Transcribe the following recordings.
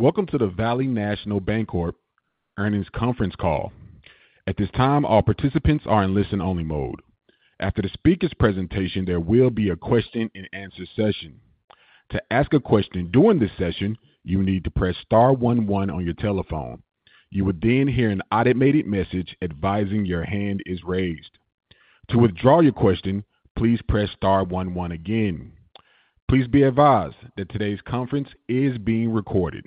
Welcome to the Valley National Bancorp Earnings Conference Call. At this time, all participants are in listen-only mode. After the speaker's presentation, there will be a question-and-answer session. To ask a question during this session, you need to press star 11 on your telephone. You will then hear an automated message advising your hand is raised. To withdraw your question, please press star 11 again. Please be advised that today's conference is being recorded.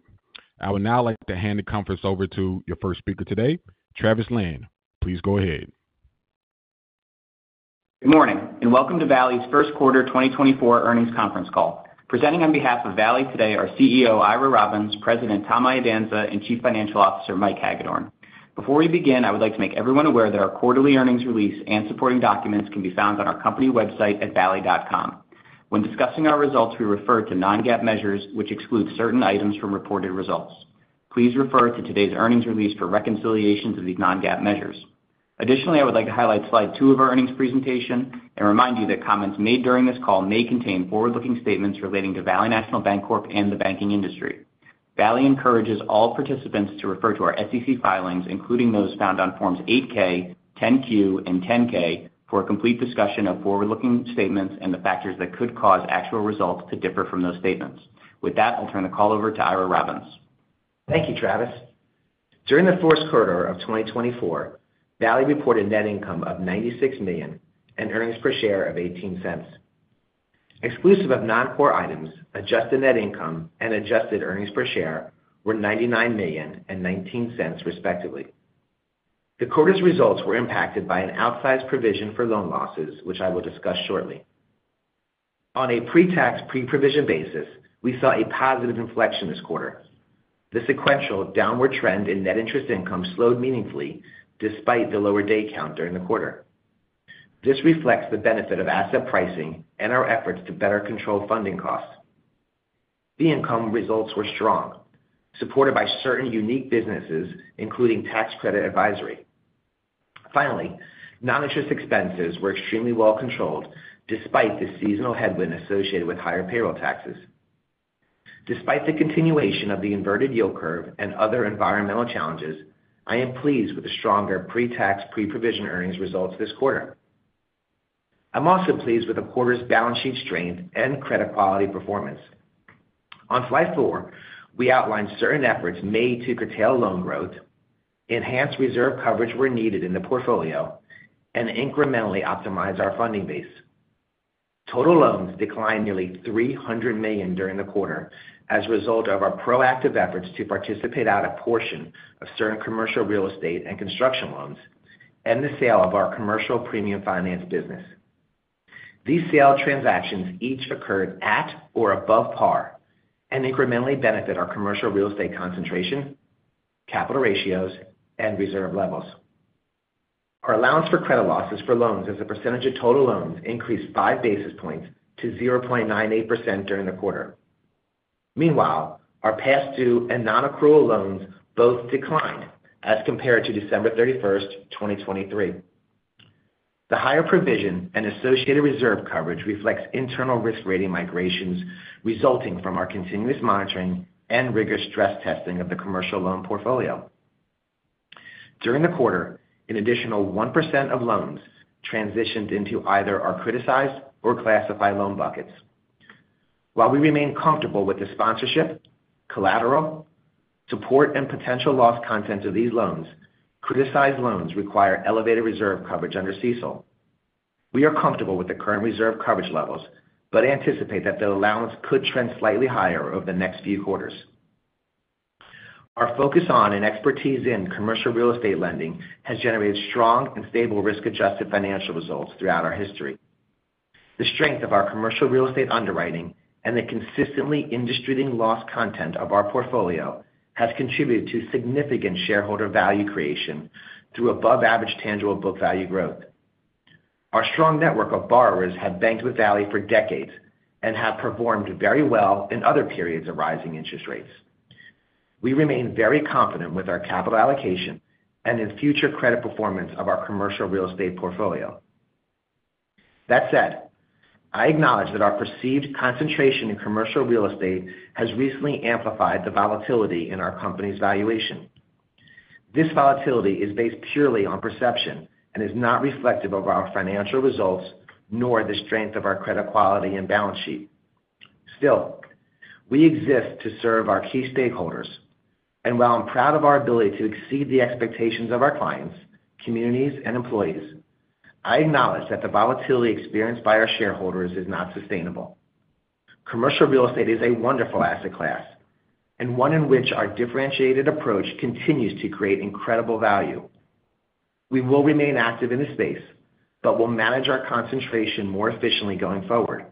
I would now like to hand the conference over to your first speaker today, Travis Lan. Please go ahead. Good morning and welcome to Valley's first quarter 2024 earnings conference call. Presenting on behalf of Valley today are CEO Ira Robbins, President Tom Iadanza, and Chief Financial Officer Mike Hagedorn. Before we begin, I would like to make everyone aware that our quarterly earnings release and supporting documents can be found on our company website at valley.com. When discussing our results, we refer to non-GAAP measures, which exclude certain items from reported results. Please refer to today's earnings release for reconciliations of these non-GAAP measures. Additionally, I would like to highlight slide two of our earnings presentation and remind you that comments made during this call may contain forward-looking statements relating to Valley National Bancorp and the banking industry. Valley encourages all participants to refer to our SEC filings, including those found on Forms 8-K, 10-Q, and 10-K, for a complete discussion of forward-looking statements and the factors that could cause actual results to differ from those statements. With that, I'll turn the call over to Ira Robbins. Thank you, Travis. During the fourth quarter of 2024, Valley reported net income of $96,000,000 and earnings per share of $0.18. Exclusive of non-core items, adjusted net income, and adjusted earnings per share were $99,000,000 and $0.19, respectively. The quarter's results were impacted by an outsized provision for loan losses, which I will discuss shortly. On a pre-tax pre-provision basis, we saw a positive inflection this quarter. The sequential downward trend in net interest income slowed meaningfully despite the lower day count during the quarter. This reflects the benefit of asset pricing and our efforts to better control funding costs. The income results were strong, supported by certain unique businesses, including tax credit advisory. Finally, non-interest expenses were extremely well controlled despite the seasonal headwind associated with higher payroll taxes. Despite the continuation of the inverted yield curve and other environmental challenges, I am pleased with the stronger pre-tax pre-provision earnings results this quarter. I'm also pleased with the quarter's balance sheet strength and credit quality performance. On slide four, we outlined certain efforts made to curtail loan growth, enhance reserve coverage where needed in the portfolio, and incrementally optimize our funding base. Total loans declined nearly $300,000,000 during the quarter as a result of our proactive efforts to participate out a portion of certain commercial real estate and construction loans and the sale of our commercial premium finance business. These sale transactions each occurred at or above par and incrementally benefit our commercial real estate concentration, capital ratios, and reserve levels. Our allowance for credit losses for loans as a percentage of total loans increased five basis points to 0.98% during the quarter. Meanwhile, our past due and non-accrual loans both declined as compared to December 31st, 2023. The higher provision and associated reserve coverage reflects internal risk rating migrations resulting from our continuous monitoring and rigorous stress testing of the commercial loan portfolio. During the quarter, an additional 1% of loans transitioned into either our criticized or classified loan buckets. While we remain comfortable with the sponsorship, collateral, support, and potential loss contents of these loans, criticized loans require elevated reserve coverage under CECL. We are comfortable with the current reserve coverage levels but anticipate that the allowance could trend slightly higher over the next few quarters. Our focus on and expertise in commercial real estate lending has generated strong and stable risk-adjusted financial results throughout our history. The strength of our commercial real estate underwriting and the consistently industry-themed loss content of our portfolio has contributed to significant shareholder value creation through above-average tangible book value growth. Our strong network of borrowers has banked with Valley for decades and have performed very well in other periods of rising interest rates. We remain very confident with our capital allocation and in future credit performance of our commercial real estate portfolio. That said, I acknowledge that our perceived concentration in commercial real estate has recently amplified the volatility in our company's valuation. This volatility is based purely on perception and is not reflective of our financial results nor the strength of our credit quality and balance sheet. Still, we exist to serve our key stakeholders, and while I'm proud of our ability to exceed the expectations of our clients, communities, and employees, I acknowledge that the volatility experienced by our shareholders is not sustainable. Commercial real estate is a wonderful asset class and one in which our differentiated approach continues to create incredible value. We will remain active in the space but will manage our concentration more efficiently going forward.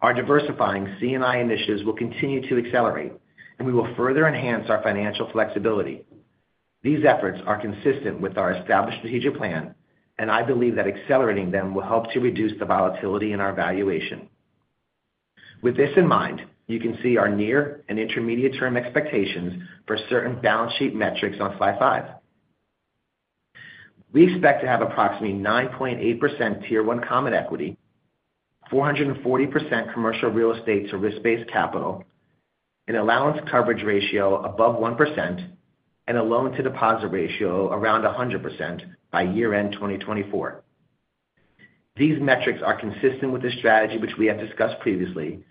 Our diversifying C&I initiatives will continue to accelerate, and we will further enhance our financial flexibility. These efforts are consistent with our established strategic plan, and I believe that accelerating them will help to reduce the volatility in our valuation. With this in mind, you can see our near and intermediate-term expectations for certain balance sheet metrics on slide five. We expect to have approximately 9.8% Tier 1 Common Equity, 440% commercial real estate to Risk-Based Capital, an allowance coverage ratio above 1%, and a loan-to-deposit ratio around 100% by year-end 2024. These metrics are consistent with the strategy which we have discussed previously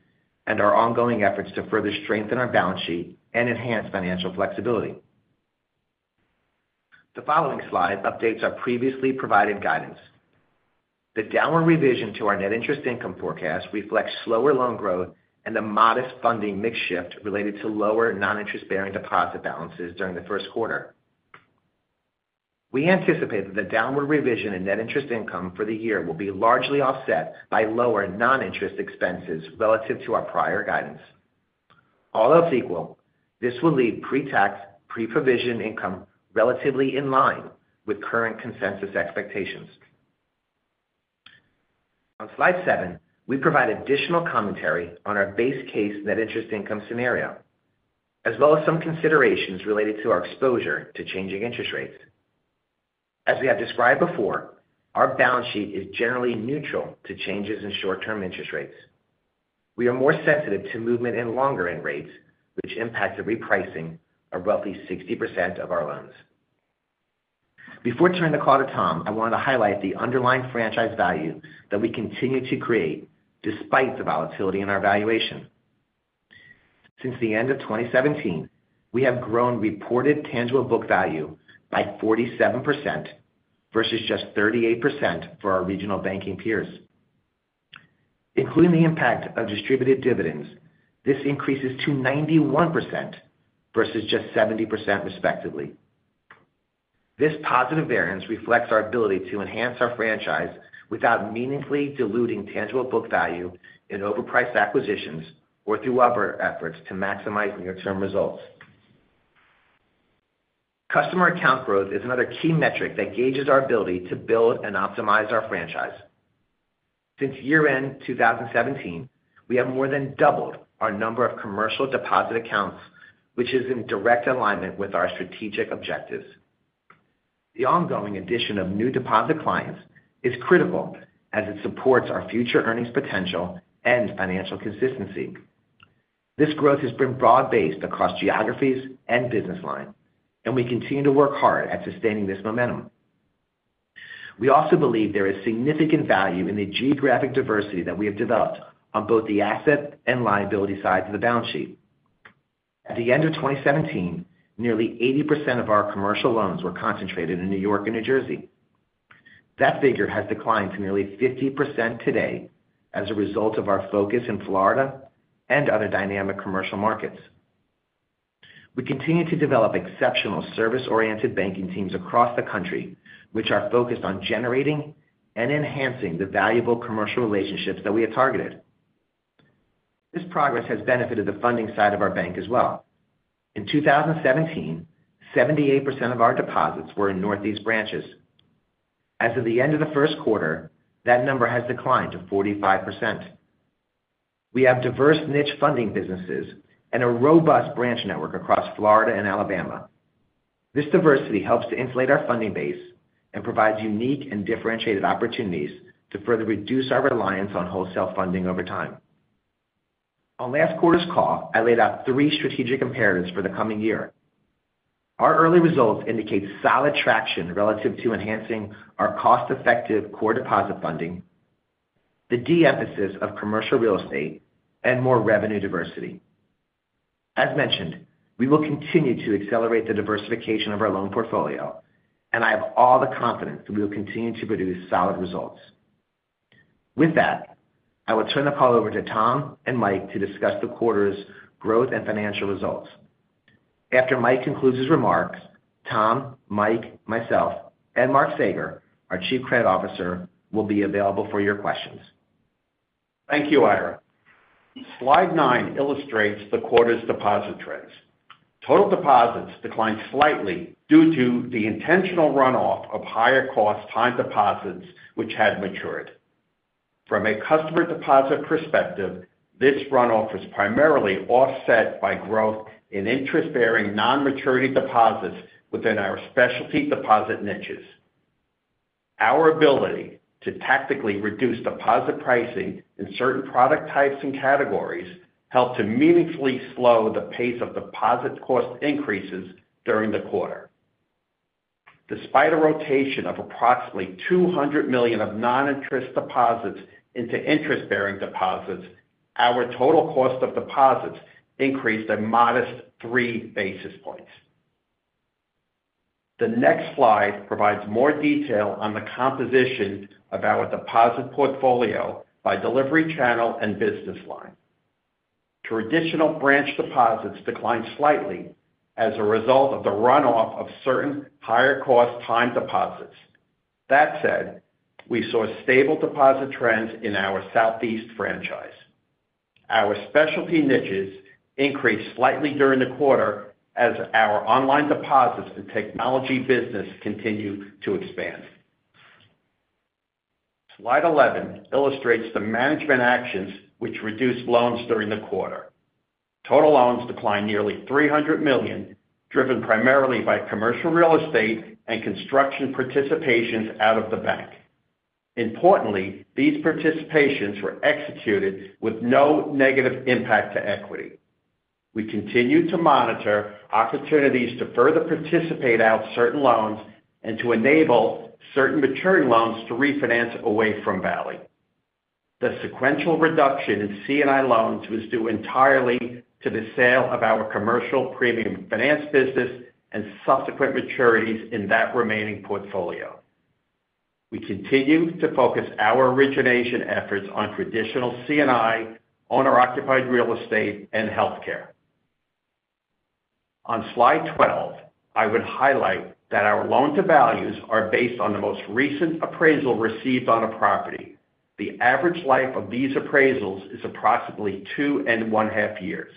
and our ongoing efforts to further strengthen our balance sheet and enhance financial flexibility. The following slide updates our previously provided guidance. The downward revision to our net interest income forecast reflects slower loan growth and a modest funding mix shift related to lower non-interest bearing deposit balances during the first quarter. We anticipate that the downward revision in net interest income for the year will be largely offset by lower non-interest expenses relative to our prior guidance. Although it's equal, this will leave pre-tax pre-provision income relatively in line with current consensus expectations. On slide 7, we provide additional commentary on our base case net interest income scenario as well as some considerations related to our exposure to changing interest rates. As we have described before, our balance sheet is generally neutral to changes in short-term interest rates. We are more sensitive to movement in longer-end rates, which impacts the repricing of roughly 60% of our loans. Before turning the call to Tom, I wanted to highlight the underlying franchise value that we continue to create despite the volatility in our valuation. Since the end of 2017, we have grown reported tangible book value by 47% versus just 38% for our regional banking peers. Including the impact of distributed dividends, this increases to 91% versus just 70%, respectively. This positive variance reflects our ability to enhance our franchise without meaningfully diluting tangible book value in overpriced acquisitions or through other efforts to maximize near-term results. Customer account growth is another key metric that gauges our ability to build and optimize our franchise. Since year-end 2017, we have more than doubled our number of commercial deposit accounts, which is in direct alignment with our strategic objectives. The ongoing addition of new deposit clients is critical as it supports our future earnings potential and financial consistency. This growth has been broad-based across geographies and business lines, and we continue to work hard at sustaining this momentum. We also believe there is significant value in the geographic diversity that we have developed on both the asset and liability side of the balance sheet. At the end of 2017, nearly 80% of our commercial loans were concentrated in New York and New Jersey. That figure has declined to nearly 50% today as a result of our focus in Florida and other dynamic commercial markets. We continue to develop exceptional service-oriented banking teams across the country, which are focused on generating and enhancing the valuable commercial relationships that we have targeted. This progress has benefited the funding side of our bank as well. In 2017, 78% of our deposits were in Northeast branches. As of the end of the first quarter, that number has declined to 45%. We have diverse niche funding businesses and a robust branch network across Florida and Alabama. This diversity helps to insulate our funding base and provides unique and differentiated opportunities to further reduce our reliance on wholesale funding over time. On last quarter's call, I laid out three strategic imperatives for the coming year. Our early results indicate solid traction relative to enhancing our cost-effective core deposit funding, the de-emphasis of commercial real estate, and more revenue diversity. As mentioned, we will continue to accelerate the diversification of our loan portfolio, and I have all the confidence that we will continue to produce solid results. With that, I will turn the call over to Tom and Mike to discuss the quarter's growth and financial results. After Mike concludes his remarks, Tom, Mike, myself, and Mark Saeger, our Chief Credit Officer, will be available for your questions. Thank you, Ira. Slide 9 illustrates the quarter's deposit trends. Total deposits declined slightly due to the intentional runoff of higher-cost time deposits, which had matured. From a customer deposit perspective, this runoff was primarily offset by growth in interest-bearing non-maturity deposits within our specialty deposit niches. Our ability to tactically reduce deposit pricing in certain product types and categories helped to meaningfully slow the pace of deposit cost increases during the quarter. Despite a rotation of approximately $200,000,000 of non-interest deposits into interest-bearing deposits, our total cost of deposits increased a modest three basis points. The next slide provides more detail on the composition of our deposit portfolio by delivery channel and business line. Traditional branch deposits declined slightly as a result of the runoff of certain higher-cost time deposits. That said, we saw stable deposit trends in our Southeast franchise. Our specialty niches increased slightly during the quarter as our online deposits and technology business continue to expand. Slide 11 illustrates the management actions which reduced loans during the quarter. Total loans declined nearly $300,000,000, driven primarily by commercial real estate and construction participations out of the bank. Importantly, these participations were executed with no negative impact to equity. We continue to monitor opportunities to further participate out certain loans and to enable certain maturing loans to refinance away from Valley. The sequential reduction in C&I loans was due entirely to the sale of our commercial premium finance business and subsequent maturities in that remaining portfolio. We continue to focus our origination efforts on traditional C&I, owner-occupied real estate, and healthcare. On Slide 12, I would highlight that our loan-to-values are based on the most recent appraisal received on a property. The average life of these appraisals is approximately two and one-half years.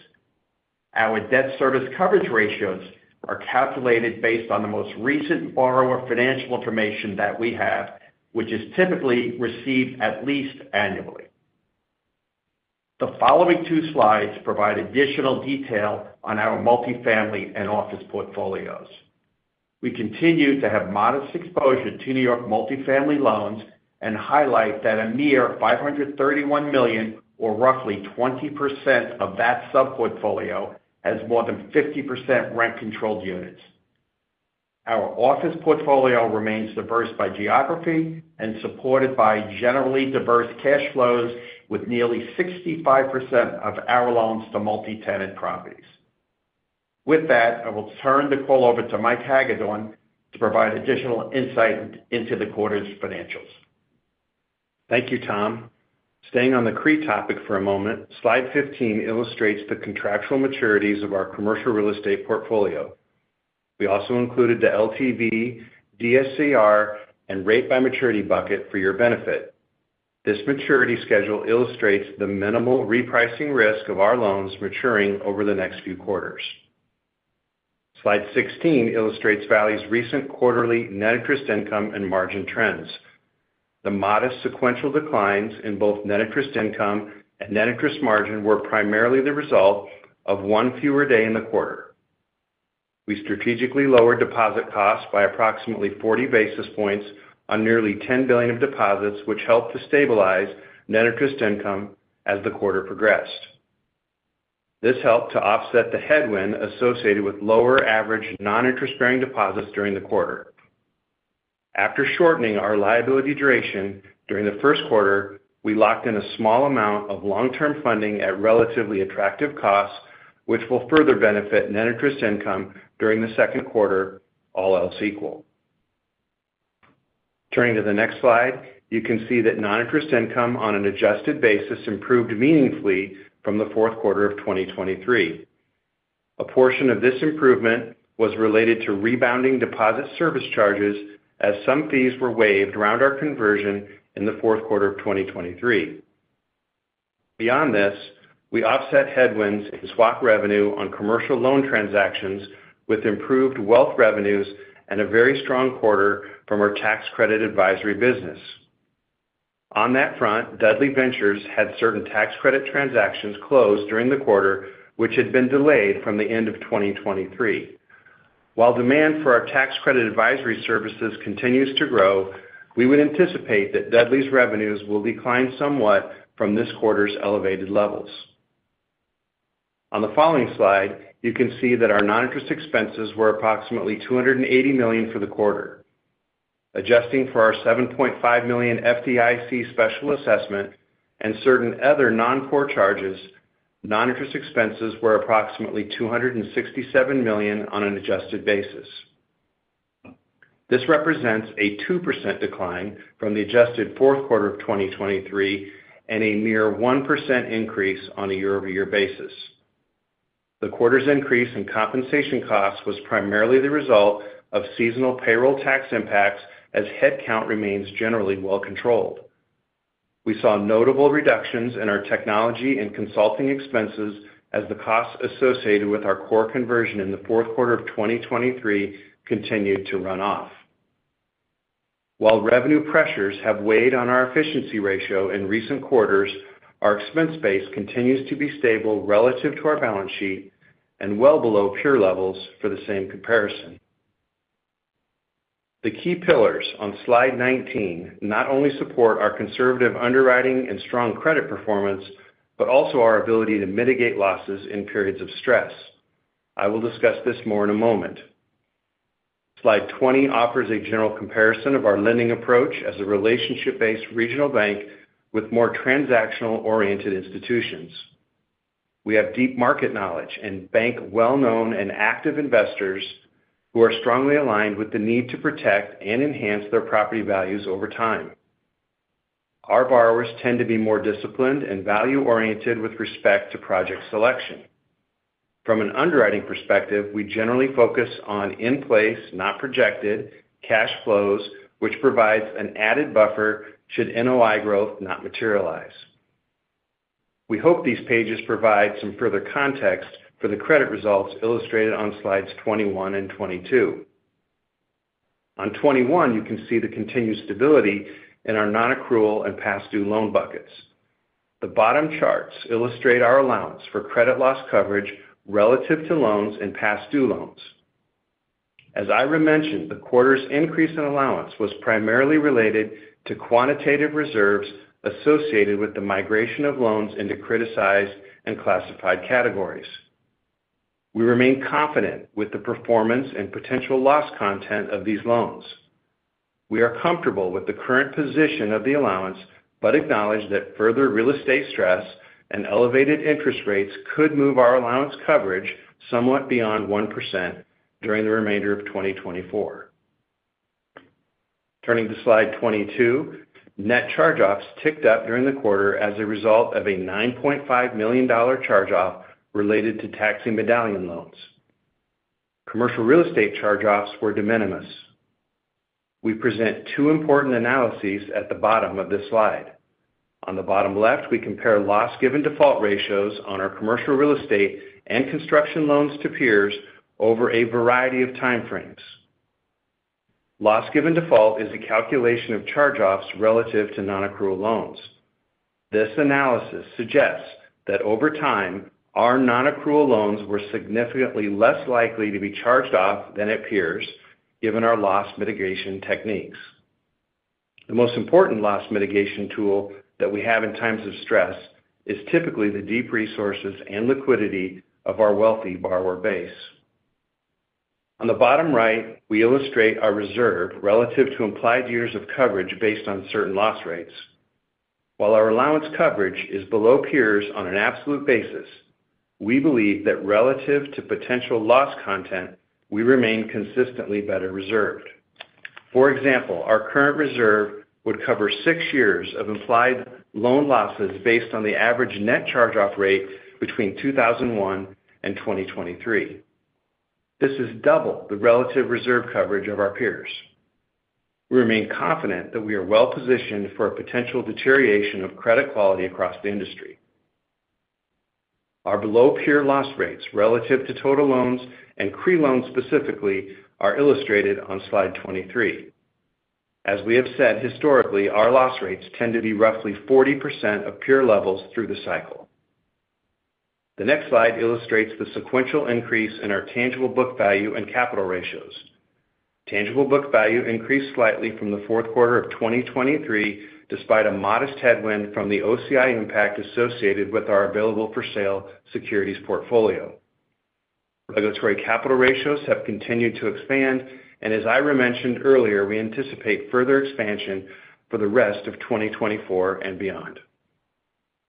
Our debt service coverage ratios are calculated based on the most recent borrower financial information that we have, which is typically received at least annually. The following two slides provide additional detail on our multifamily and office portfolios. We continue to have modest exposure to New York multifamily loans and highlight that a mere $531,000,000, or roughly 20% of that subportfolio, has more than 50% rent-controlled units. Our office portfolio remains diverse by geography and supported by generally diverse cash flows with nearly 65% of our loans to multi-tenant properties. With that, I will turn the call over to Mike Hagedorn to provide additional insight into the quarter's financials. Thank you, Tom. Staying on the CRE topic for a moment, slide 15 illustrates the contractual maturities of our commercial real estate portfolio. We also included the LTV, DSCR, and rate-by-maturity bucket for your benefit. This maturity schedule illustrates the minimal repricing risk of our loans maturing over the next few quarters. Slide 16 illustrates Valley's recent quarterly net interest income and margin trends. The modest sequential declines in both net interest income and net interest margin were primarily the result of one fewer day in the quarter. We strategically lowered deposit costs by approximately 40 basis points on nearly $10,000,000,000 of deposits, which helped to stabilize net interest income as the quarter progressed. This helped to offset the headwind associated with lower-average non-interest bearing deposits during the quarter. After shortening our liability duration during the first quarter, we locked in a small amount of long-term funding at relatively attractive costs, which will further benefit net interest income during the second quarter, all else equal. Turning to the next slide, you can see that non-interest income on an adjusted basis improved meaningfully from the fourth quarter of 2023. A portion of this improvement was related to rebounding deposit service charges as some fees were waived around our conversion in the fourth quarter of 2023. Beyond this, we offset headwinds in SWAC revenue on commercial loan transactions with improved wealth revenues and a very strong quarter from our tax credit advisory business. On that front, Dudley Ventures had certain tax credit transactions closed during the quarter, which had been delayed from the end of 2023. While demand for our tax credit advisory services continues to grow, we would anticipate that Dudley's revenues will decline somewhat from this quarter's elevated levels. On the following slide, you can see that our non-interest expenses were approximately $280,000,000 for the quarter. Adjusting for our $7,500,000 FDIC special assessment and certain other non-core charges, non-interest expenses were approximately $267,000,000 on an adjusted basis. This represents a 2% decline from the adjusted fourth quarter of 2023 and a mere 1% increase on a year-over-year basis. The quarter's increase in compensation costs was primarily the result of seasonal payroll tax impacts as headcount remains generally well-controlled. We saw notable reductions in our technology and consulting expenses as the costs associated with our core conversion in the fourth quarter of 2023 continued to run off. While revenue pressures have weighed on our efficiency ratio in recent quarters, our expense base continues to be stable relative to our balance sheet and well below peer levels for the same comparison. The key pillars on slide 19 not only support our conservative underwriting and strong credit performance but also our ability to mitigate losses in periods of stress. I will discuss this more in a moment. Slide 20 offers a general comparison of our lending approach as a relationship-based regional bank with more transactional-oriented institutions. We have deep market knowledge and bank well-known and active investors who are strongly aligned with the need to protect and enhance their property values over time. Our borrowers tend to be more disciplined and value-oriented with respect to project selection. From an underwriting perspective, we generally focus on in-place, not projected, cash flows, which provides an added buffer should NOI growth not materialize. We hope these pages provide some further context for the credit results illustrated on slides 21 and 22. On 21, you can see the continued stability in our non-accrual and past-due loan buckets. The bottom charts illustrate our allowance for credit losses coverage relative to loans and past-due loans. As I mentioned, the quarter's increase in allowance was primarily related to quantitative reserves associated with the migration of loans into criticized and classified categories. We remain confident with the performance and potential loss content of these loans. We are comfortable with the current position of the allowance but acknowledge that further real estate stress and elevated interest rates could move our allowance coverage somewhat beyond 1% during the remainder of 2024. Turning to slide 22, net charge-offs ticked up during the quarter as a result of a $9,500,000 charge-off related to taxi medallion loans. Commercial real estate charge-offs were de minimis. We present two important analyses at the bottom of this slide. On the bottom left, we compare loss-given-default ratios on our commercial real estate and construction loans to peers over a variety of time frames. Loss-given-default is a calculation of charge-offs relative to non-accrual loans. This analysis suggests that over time, our non-accrual loans were significantly less likely to be charged off than it appears given our loss mitigation techniques. The most important loss mitigation tool that we have in times of stress is typically the deep resources and liquidity of our wealthy borrower base. On the bottom right, we illustrate our reserve relative to implied years of coverage based on certain loss rates. While our allowance coverage is below peers on an absolute basis, we believe that relative to potential loss content, we remain consistently better reserved. For example, our current reserve would cover six years of implied loan losses based on the average net charge-off rate between 2001 and 2023. This is double the relative reserve coverage of our peers. We remain confident that we are well-positioned for a potential deterioration of credit quality across the industry. Our below-peer loss rates relative to total loans and CRE loans specifically are illustrated on slide 23. As we have said, historically, our loss rates tend to be roughly 40% of peer levels through the cycle. The next slide illustrates the sequential increase in our tangible book value and capital ratios. Tangible book value increased slightly from the fourth quarter of 2023 despite a modest headwind from the OCI impact associated with our available-for-sale securities portfolio. Regulatory capital ratios have continued to expand, and as I mentioned earlier, we anticipate further expansion for the rest of 2024 and beyond.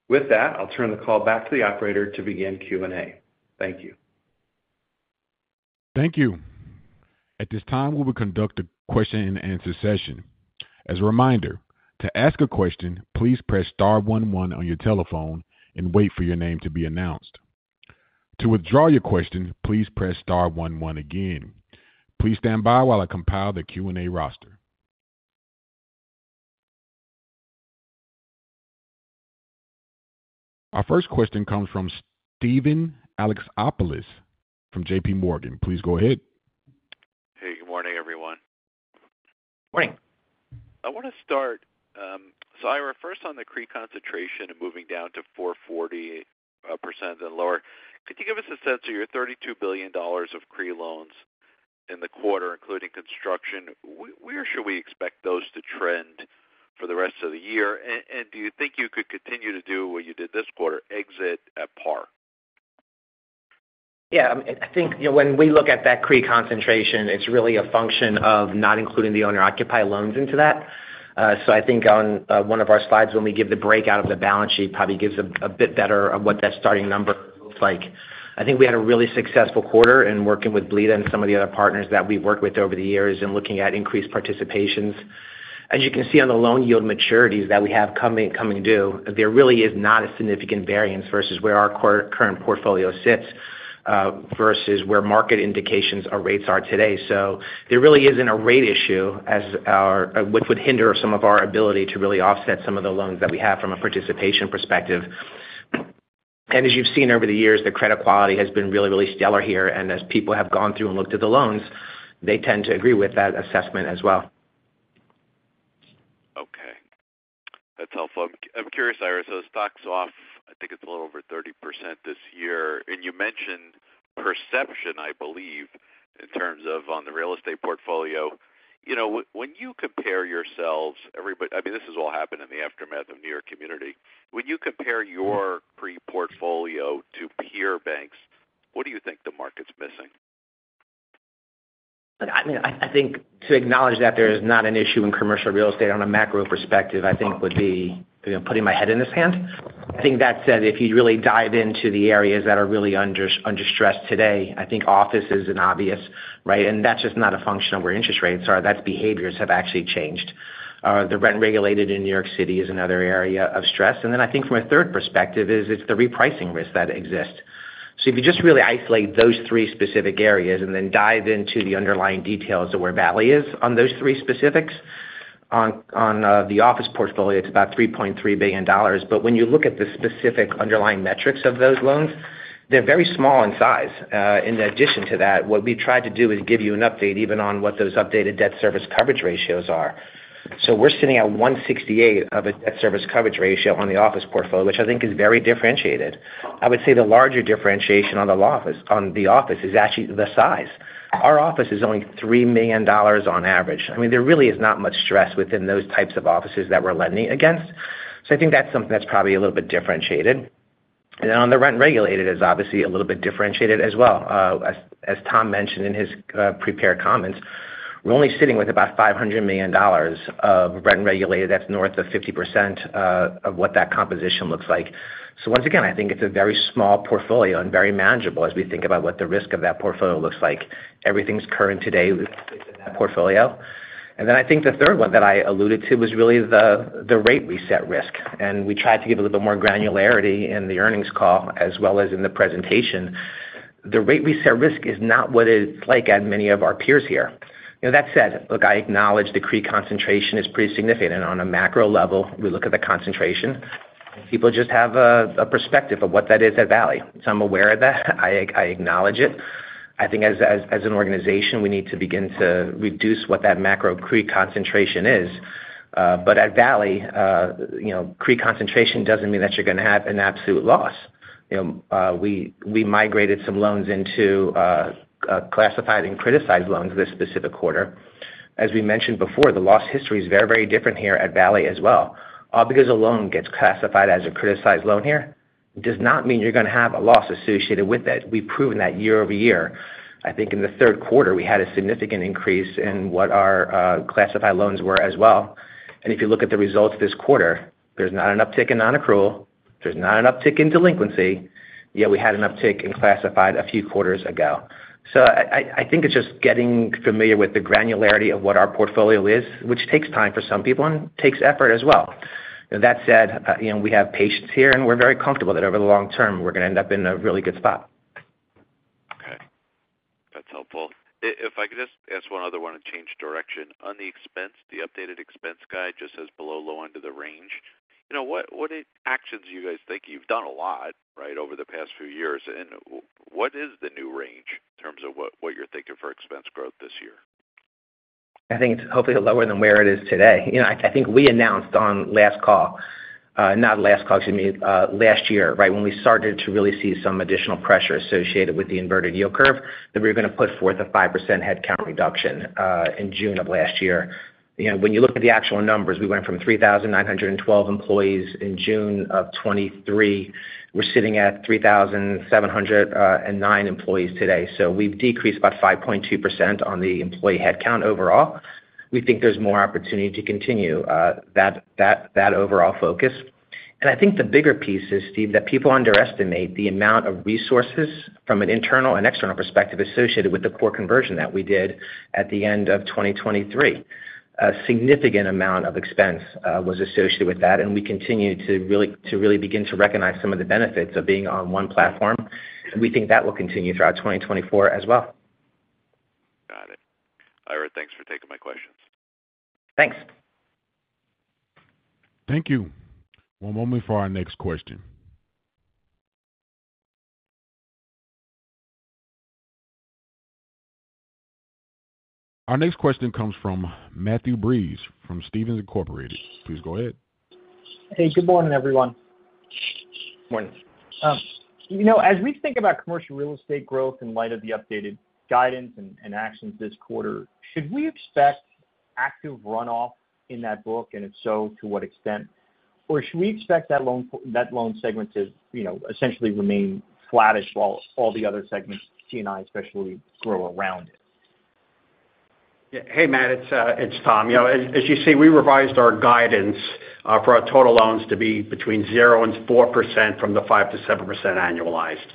With that, I'll turn the call back to the operator to begin Q&A. Thank you. Thank you. At this time, we will conduct a question-and-answer session. As a reminder, to ask a question, please press star 11 on your telephone and wait for your name to be announced. To withdraw your question, please press star 11 again. Please stand by while I compile the Q&A roster. Our first question comes from Steven Alexopoulos from J.P. Morgan. Please go ahead. Hey. Good morning, everyone. Morning. I want to start so I were first on the CRE concentration and moving down to 440% and lower. Could you give us a sense of your $32,000,000,000 of CRE loans in the quarter, including construction? Where should we expect those to trend for the rest of the year? And do you think you could continue to do what you did this quarter, exit at par? Yeah. I mean, I think when we look at that CRE concentration, it's really a function of not including the owner-occupied loans into that. So I think on one of our slides, when we give the breakout of the balance sheet, probably gives a bit better of what that starting number looks like. I think we had a really successful quarter in working with BLEDA and some of the other partners that we've worked with over the years in looking at increased participations. As you can see on the loan yield maturities that we have coming due, there really is not a significant variance versus where our current portfolio sits versus where market indications or rates are today. So there really isn't a rate issue, which would hinder some of our ability to really offset some of the loans that we have from a participation perspective. As you've seen over the years, the credit quality has been really, really stellar here. And as people have gone through and looked at the loans, they tend to agree with that assessment as well. Okay. That's helpful. I'm curious, Ira. So stock's off, I think it's a little over 30% this year. And you mentioned perception, I believe, in terms of on the real estate portfolio. When you compare yourselves, I mean, this has all happened in the aftermath of New York Community. When you compare your CRE portfolio to peer banks, what do you think the market's missing? I mean, I think to acknowledge that there is not an issue in commercial real estate on a macro perspective, I think, would be putting my head in the sand. I think that said, if you really dive into the areas that are really under stress today, I think office is an obvious, right? And that's just not a function of where interest rates are. That's behaviors have actually changed. The rent-regulated in New York City is another area of stress. And then I think from a third perspective is it's the repricing risk that exists. So if you just really isolate those three specific areas and then dive into the underlying details of where Valley is on those three specifics, on the office portfolio, it's about $3,300,000,000. But when you look at the specific underlying metrics of those loans, they're very small in size. In addition to that, what we tried to do is give you an update even on what those updated debt service coverage ratios are. So we're sitting at 1.68 of a debt service coverage ratio on the office portfolio, which I think is very differentiated. I would say the larger differentiation on the office is actually the size. Our office is only $3,000,000 on average. I mean, there really is not much stress within those types of offices that we're lending against. So I think that's something that's probably a little bit differentiated. And then on the rent-regulated, it's obviously a little bit differentiated as well. As Tom mentioned in his prepared comments, we're only sitting with about $500,000,000 of rent-regulated that's north of 50% of what that composition looks like. So once again, I think it's a very small portfolio and very manageable as we think about what the risk of that portfolio looks like. Everything's current today within that portfolio. And then I think the third one that I alluded to was really the rate reset risk. And we tried to give a little bit more granularity in the earnings call as well as in the presentation. The rate reset risk is not what it's like at many of our peers here. That said, look, I acknowledge the CRE concentration is pretty significant. And on a macro level, we look at the concentration. People just have a perspective of what that is at Valley. So I'm aware of that. I acknowledge it. I think as an organization, we need to begin to reduce what that macro CRE concentration is. But at Valley, CRE concentration doesn't mean that you're going to have an absolute loss. We migrated some loans into classified and criticized loans this specific quarter. As we mentioned before, the loss history is very, very different here at Valley as well. All because a loan gets classified as a criticized loan here does not mean you're going to have a loss associated with it. We've proven that year-over-year. I think in the third quarter, we had a significant increase in what our classified loans were as well. And if you look at the results this quarter, there's not an uptick in non-accrual. There's not an uptick in delinquency. Yet we had an uptick in classified a few quarters ago. So I think it's just getting familiar with the granularity of what our portfolio is, which takes time for some people and takes effort as well. That said, we have patience here, and we're very comfortable that over the long term, we're going to end up in a really good spot. Okay. That's helpful. If I could just ask one other one to change direction. On the expense, the updated expense guide just says below low end of the range. What actions do you guys think? You've done a lot, right, over the past few years. And what is the new range in terms of what you're thinking for expense growth this year? I think it's hopefully lower than where it is today. I think we announced on last call not last call. Excuse me. Last year, right, when we started to really see some additional pressure associated with the inverted yield curve that we were going to put forth a 5% headcount reduction in June of last year. When you look at the actual numbers, we went from 3,912 employees in June of 2023. We're sitting at 3,709 employees today. So we've decreased about 5.2% on the employee headcount overall. We think there's more opportunity to continue that overall focus. And I think the bigger piece is, Steve, that people underestimate the amount of resources from an internal and external perspective associated with the core conversion that we did at the end of 2023. A significant amount of expense was associated with that. We continue to really begin to recognize some of the benefits of being on one platform. And we think that will continue throughout 2024 as well. Got it. Ira, thanks for taking my questions. Thanks. Thank you. One moment for our next question. Our next question comes from Matthew Breese from Stephens Incorporated. Please go ahead. Hey. Good morning, everyone. Morning. As we think about commercial real estate growth in light of the updated guidance and actions this quarter, should we expect active runoff in that book? And if so, to what extent? Or should we expect that loan segment to essentially remain flattish while all the other segments, CNI especially, grow around it? Hey, Matt. It's Tom. As you see, we revised our guidance for our total loans to be between 0%-4% from the 5%-7% annualized.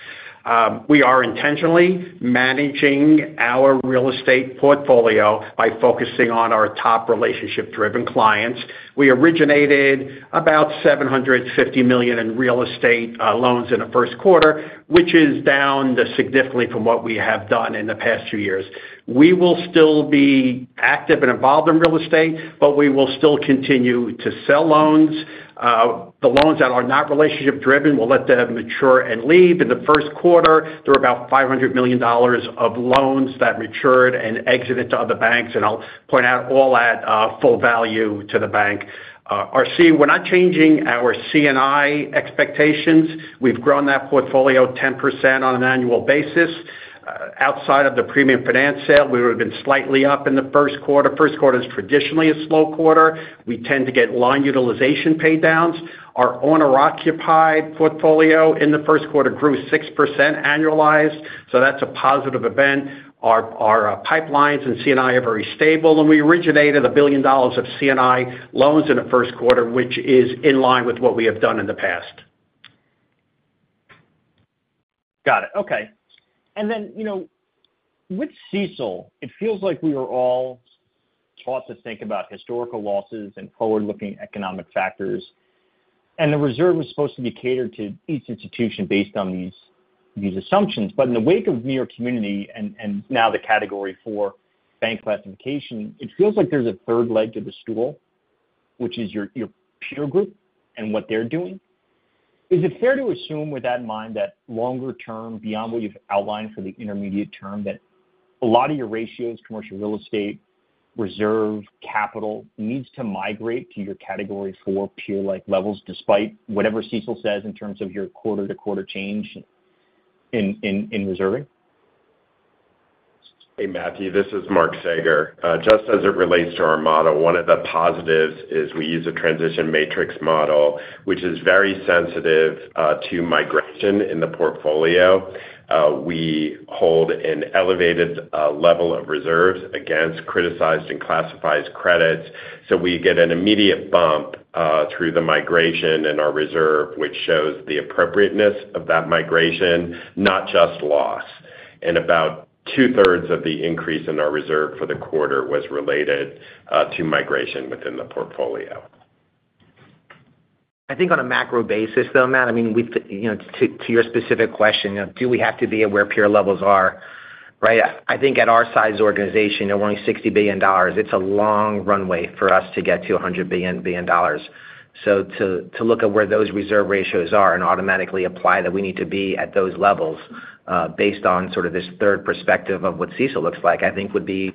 We are intentionally managing our real estate portfolio by focusing on our top relationship-driven clients. We originated about $750,00,000 in real estate loans in the first quarter, which is down significantly from what we have done in the past few years. We will still be active and involved in real estate, but we will still continue to sell loans. The loans that are not relationship-driven, we'll let them mature and leave. In the first quarter, there were about $500,000,000 of loans that matured and exited to other banks. And I'll point out all at full value to the bank. We're not changing our C&I expectations. We've grown that portfolio 10% on an annual basis. Outside of the premium finance sale, we would have been slightly up in the first quarter. First quarter is traditionally a slow quarter. We tend to get line utilization paydowns. Our owner-occupied portfolio in the first quarter grew 6% annualized. So that's a positive event. Our pipelines and C&I are very stable. And we originated $1,000,000,000 of C&I loans in the first quarter, which is in line with what we have done in the past. Got it. Okay. And then with CECL, it feels like we were all taught to think about historical losses and forward-looking economic factors. And the reserve was supposed to be catered to each institution based on these assumptions. But in the wake of New York Community and now the category four bank classification, it feels like there's a third leg to the stool, which is your peer group and what they're doing. Is it fair to assume with that in mind that longer term, beyond what you've outlined for the intermediate term, that a lot of your ratios, commercial real estate, reserve, capital, needs to migrate to your category four peer-like levels despite whatever CECL says in terms of your quarter-to-quarter change in reserving? Hey, Matthew. This is Mark Saeger. Just as it relates to our model, one of the positives is we use a transition matrix model, which is very sensitive to migration in the portfolio. We hold an elevated level of reserves against criticized and classified credits. So we get an immediate bump through the migration in our reserve, which shows the appropriateness of that migration, not just loss. About two-thirds of the increase in our reserve for the quarter was related to migration within the portfolio. I think on a macro basis, though, Matt, I mean, to your specific question, do we have to be aware of peer levels are, right? I think at our size organization, we're only $60,000,000,000. It's a long runway for us to get to $100,000,000,000. So to look at where those reserve ratios are and automatically apply that we need to be at those levels based on sort of this third perspective of what CECL looks like, I think, would be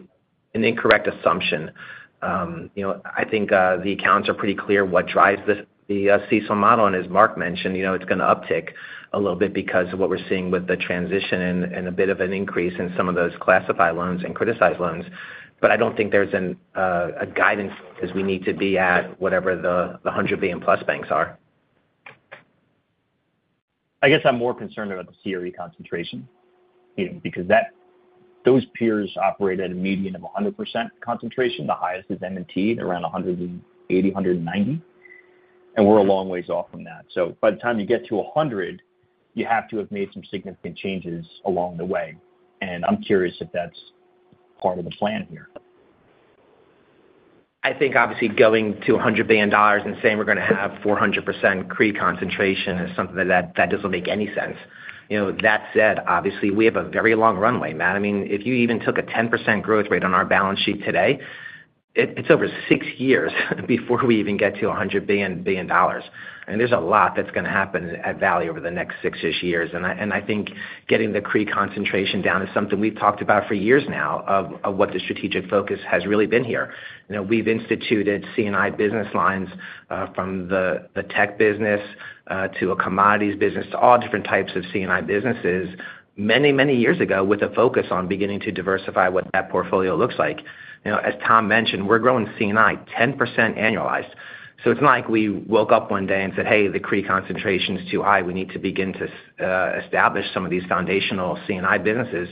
an incorrect assumption. I think the accounts are pretty clear what drives the CECL model. And as Mark mentioned, it's going to uptick a little bit because of what we're seeing with the transition and a bit of an increase in some of those classified loans and criticized loans. But I don't think there's a guidance as we need to be at whatever the $100,000,000,000+ banks are. I guess I'm more concerned about the CRE concentration because those peers operate at a median of 100% concentration. The highest is M&T. They're around 180%-190%. We're a long ways off from that. By the time you get to 100%, you have to have made some significant changes along the way. I'm curious if that's part of the plan here. I think obviously going to $100,000,000,000 and saying we're going to have 400% CRE concentration is something that doesn't make any sense. That said, obviously, we have a very long runway, Matt. I mean, if you even took a 10% growth rate on our balance sheet today, it's over six years before we even get to $100,000,000,000. And there's a lot that's going to happen at Valley over the next six-ish years. And I think getting the CRE concentration down is something we've talked about for years now of what the strategic focus has really been here. We've instituted C&I business lines from the tech business to a commodities business to all different types of C&I businesses many, many years ago with a focus on beginning to diversify what that portfolio looks like. As Tom mentioned, we're growing C&I 10% annualized. So it's not like we woke up one day and said, "Hey, the CRE concentration's too high. We need to begin to establish some of these foundational C&I businesses."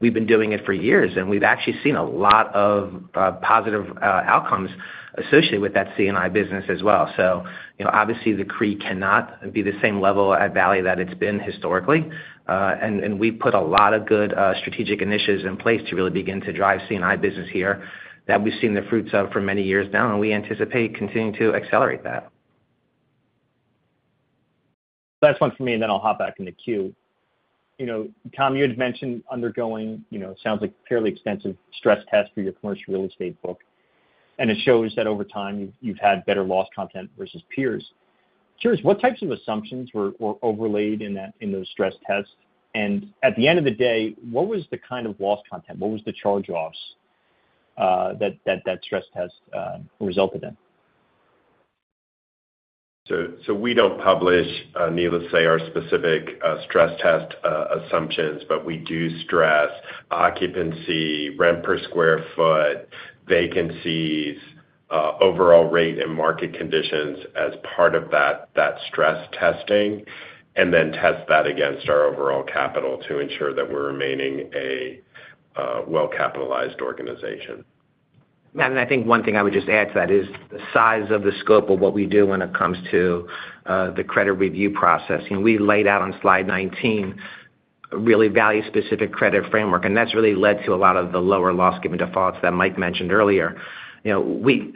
We've been doing it for years. And we've actually seen a lot of positive outcomes associated with that C&I business as well. So obviously, the CRE cannot be the same level at Valley that it's been historically. And we've put a lot of good strategic initiatives in place to really begin to drive C&I business here that we've seen the fruits of for many years now. And we anticipate continuing to accelerate that. Last one for me, and then I'll hop back in the queue. Tom, you had mentioned undergoing, it sounds like, fairly extensive stress tests for your commercial real estate book. And it shows that over time, you've had better loss content versus peers. Curious, what types of assumptions were overlaid in those stress tests? And at the end of the day, what was the kind of loss content? What was the charge-offs that that stress test resulted in? We don't publish, needless to say, our specific stress test assumptions. But we do stress occupancy, rent per square foot, vacancies, overall rate, and market conditions as part of that stress testing and then test that against our overall capital to ensure that we're remaining a well-capitalized organization. Matt, and I think one thing I would just add to that is the size of the scope of what we do when it comes to the credit review process. We laid out on slide 19 a really value-specific credit framework. And that's really led to a lot of the lower loss given defaults that Mike mentioned earlier. Credit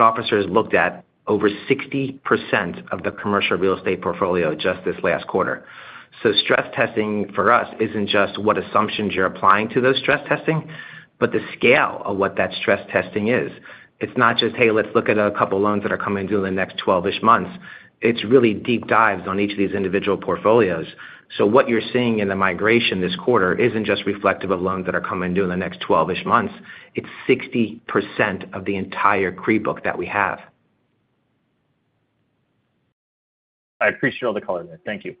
officers looked at over 60% of the commercial real estate portfolio just this last quarter. So stress testing for us isn't just what assumptions you're applying to those stress testing, but the scale of what that stress testing is. It's not just, "Hey, let's look at a couple of loans that are coming due in the next 12-ish months." It's really deep dives on each of these individual portfolios. What you're seeing in the migration this quarter isn't just reflective of loans that are coming due in the next 12-ish months. It's 60% of the entire CRE book that we have. I appreciate all the color there. Thank you.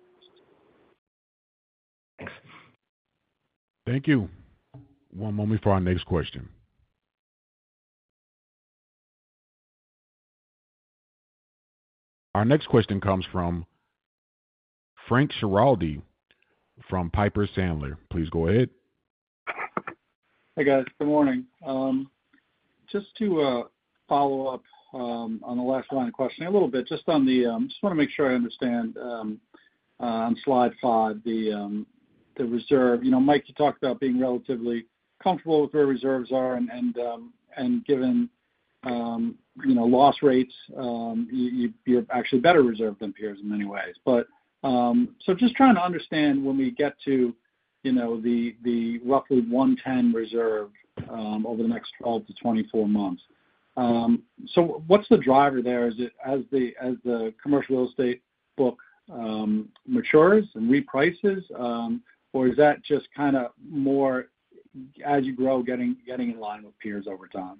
Thanks. Thank you. One moment for our next question. Our next question comes from Frank Schiraldi from Piper Sandler. Please go ahead. Hey, guys. Good morning. Just to follow up on the last line of questioning a little bit, just on the, I just want to make sure I understand on slide 5, the reserve. Mike, you talked about being relatively comfortable with where reserves are. And given loss rates, you're actually better reserved than peers in many ways. So just trying to understand when we get to the roughly 110 reserve over the next 12-24 months. So what's the driver there? Is it as the commercial real estate book matures and reprices? Or is that just kind of more as you grow, getting in line with peers over time?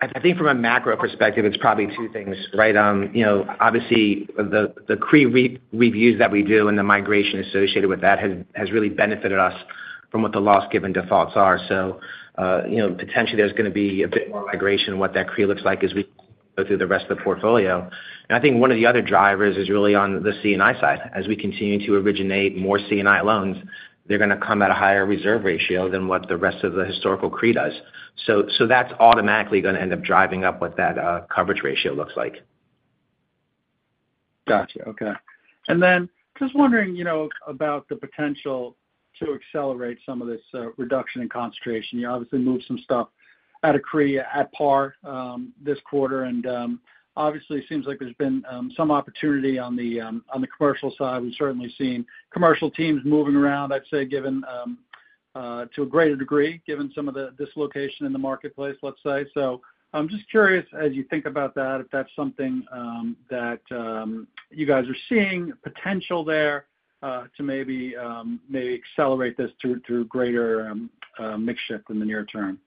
I think from a macro perspective, it's probably two things, right? Obviously, the CRE reviews that we do and the migration associated with that has really benefited us from what the loss given defaults are. So potentially, there's going to be a bit more migration in what that CRE looks like as we go through the rest of the portfolio. And I think one of the other drivers is really on the C&I side. As we continue to originate more C&I loans, they're going to come at a higher reserve ratio than what the rest of the historical CRE does. So that's automatically going to end up driving up what that coverage ratio looks like. Gotcha. Okay. And then just wondering about the potential to accelerate some of this reduction in concentration. You obviously moved some stuff out of CRE at par this quarter. And obviously, it seems like there's been some opportunity on the commercial side. We've certainly seen commercial teams moving around, I'd say, to a greater degree given some of the dislocation in the marketplace, let's say. So I'm just curious as you think about that, if that's something that you guys are seeing potential there to maybe accelerate this through greater mix shift in the near term.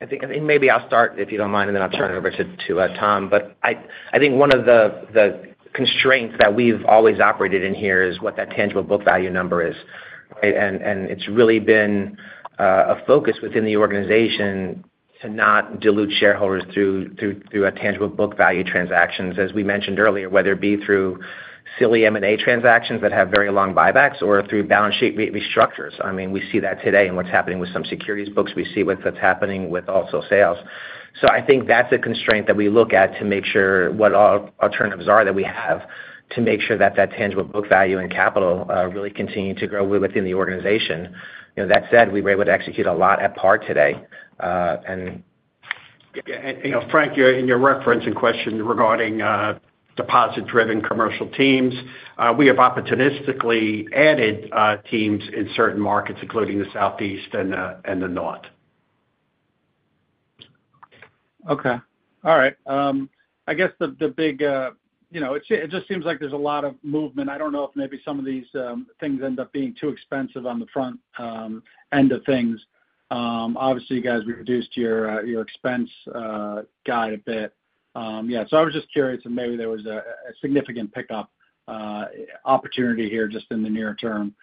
I think maybe I'll start, if you don't mind, and then I'll turn it over to Tom. But I think one of the constraints that we've always operated in here is what that tangible book value number is, right? And it's really been a focus within the organization to not dilute shareholders through tangible book value transactions, as we mentioned earlier, whether it be through silly M&A transactions that have very long buybacks or through balance sheet restructures. I mean, we see that today in what's happening with some securities books. We see what's happening with also sales. So I think that's a constraint that we look at to make sure what alternatives are that we have to make sure that that tangible book value and capital really continue to grow within the organization. That said, we were able to execute a lot at par today. And. Yeah. Frank, in your reference and question regarding deposit-driven commercial teams, we have opportunistically added teams in certain markets, including the Southeast and the Northeast. Okay. All right. I guess but it just seems like there's a lot of movement. I don't know if maybe some of these things end up being too expensive on the front end of things. Obviously, you guys reduced your expense guide a bit. Yeah. So I was just curious if maybe there was a significant pickup opportunity here just in the near term.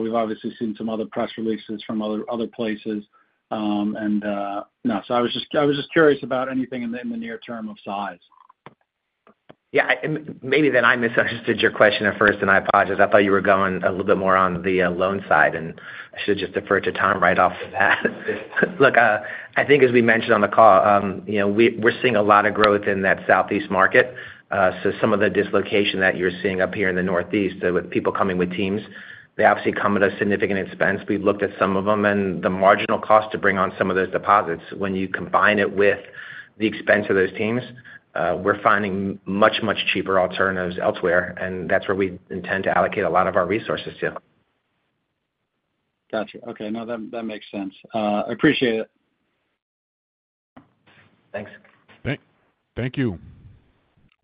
We've obviously seen some other press releases from other places. And no, so I was just curious about anything in the near term of size. Yeah. Maybe then I misunderstood your question at first, and I apologize. I thought you were going a little bit more on the loan side. And I should have just deferred to Tom right off of that. Look, I think as we mentioned on the call, we're seeing a lot of growth in that Southeast market. So some of the dislocation that you're seeing up here in the Northeast with people coming with teams, they obviously come at a significant expense. We've looked at some of them. And the marginal cost to bring on some of those deposits, when you combine it with the expense of those teams, we're finding much, much cheaper alternatives elsewhere. And that's where we intend to allocate a lot of our resources to. Gotcha. Okay. No, that makes sense. I appreciate it. Thanks. Thank you.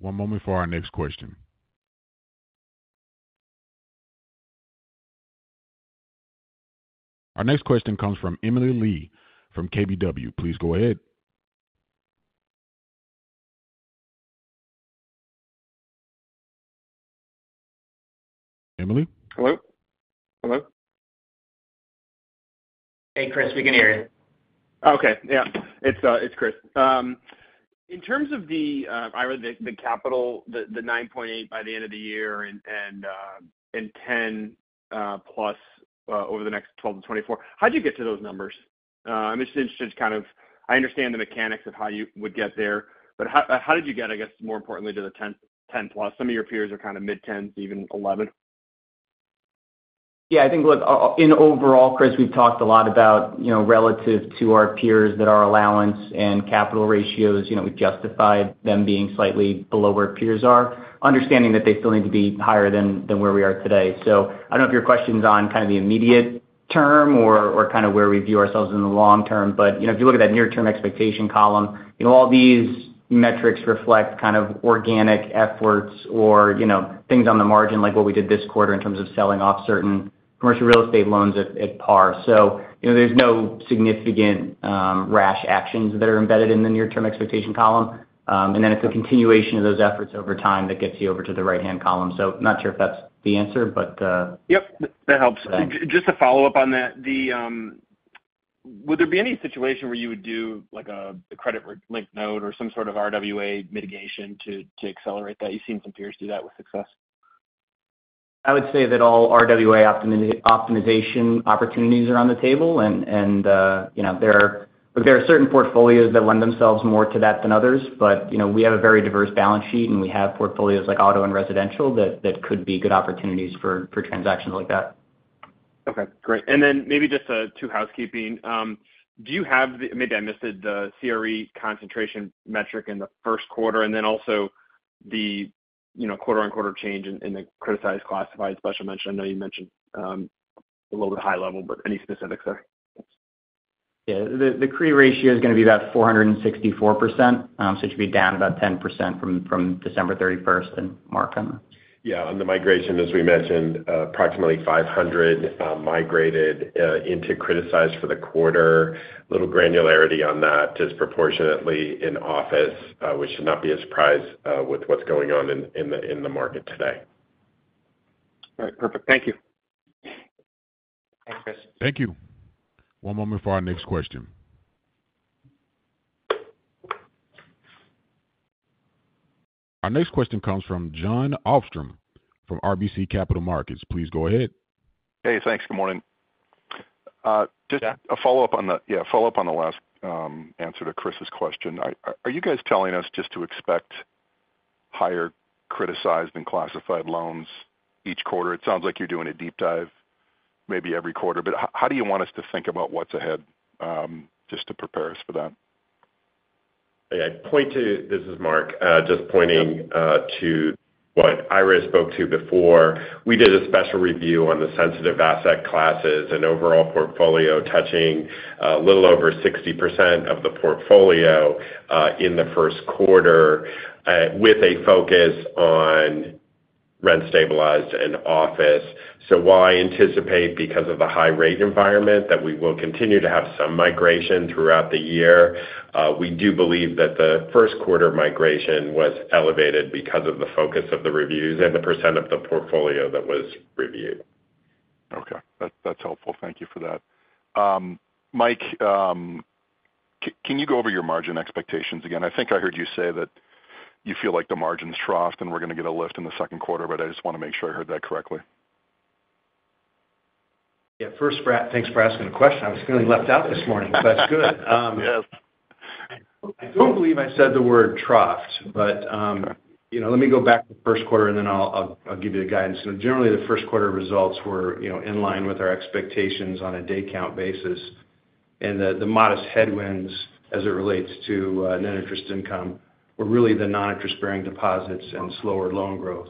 One moment for our next question. Our next question comes from Chris McGratty from KBW. Please go ahead. Chris? Hello? Hello? Hey, Chris. We can hear you. Okay. Yeah. It's Chris. In terms of Ira, the capital, the 9.8% by the end of the year and 10%+ over the next 12-24, how'd you get to those numbers? I'm just interested to kind of understand the mechanics of how you would get there. But how did you get, I guess, more importantly, to the 10%+? Some of your peers are kind of mid-10s, even 11. Yeah. I think, look, in overall, Chris, we've talked a lot about relative to our peers that are allowance and capital ratios. We've justified them being slightly below where peers are, understanding that they still need to be higher than where we are today. So I don't know if your question's on kind of the immediate term or kind of where we view ourselves in the long term. But if you look at that near-term expectation column, all these metrics reflect kind of organic efforts or things on the margin like what we did this quarter in terms of selling off certain commercial real estate loans at par. So there's no significant rash actions that are embedded in the near-term expectation column. And then it's a continuation of those efforts over time that gets you over to the right-hand column. So not sure if that's the answer, but. Yep. That helps. Just to follow up on that, would there be any situation where you would do a credit-linked note or some sort of RWA mitigation to accelerate that? You've seen some peers do that with success. I would say that all RWA optimization opportunities are on the table. Look, there are certain portfolios that lend themselves more to that than others. But we have a very diverse balance sheet. And we have portfolios like auto and residential that could be good opportunities for transactions like that. Okay. Great. And then maybe just two housekeeping. Do you have the maybe I missed it, the CRE concentration metric in the first quarter and then also the quarter-on-quarter change in the criticized classified special mention? I know you mentioned a little bit high level, but any specifics there? Yeah. The CRE ratio is going to be about 464%. So it should be down about 10% from December 31st and March on the. Yeah. On the migration, as we mentioned, approximately 500 migrated into criticized for the quarter. Little granularity on that disproportionately in office, which should not be a surprise with what's going on in the market today. All right. Perfect. Thank you. Thanks, Chris. Thank you. One moment for our next question. Our next question comes from Jon Arfstrom from RBC Capital Markets. Please go ahead. Hey. Thanks. Good morning. Just a follow-up on the yeah, follow-up on the last answer to Chris's question. Are you guys telling us just to expect higher criticized and classified loans each quarter? It sounds like you're doing a deep dive maybe every quarter. But how do you want us to think about what's ahead just to prepare us for that? Hey. This is Mark, just pointing to what Ira spoke to before. We did a special review on the sensitive asset classes and overall portfolio, touching a little over 60% of the portfolio in the first quarter with a focus on rent stabilized and office. So while I anticipate because of the high-rate environment that we will continue to have some migration throughout the year, we do believe that the first quarter migration was elevated because of the focus of the reviews and the percent of the portfolio that was reviewed. Okay. That's helpful. Thank you for that. Mike, can you go over your margin expectations again? I think I heard you say that you feel like the margins troughed and we're going to get a lift in the second quarter. But I just want to make sure I heard that correctly. Yeah. Thanks for asking the question. I was feeling left out this morning. That's good. Yes. I don't believe I said the word troughed. But let me go back to the first quarter, and then I'll give you the guidance. Generally, the first quarter results were in line with our expectations on a day-count basis. The modest headwinds as it relates to net interest income were really the non-interest-bearing deposits and slower loan growth.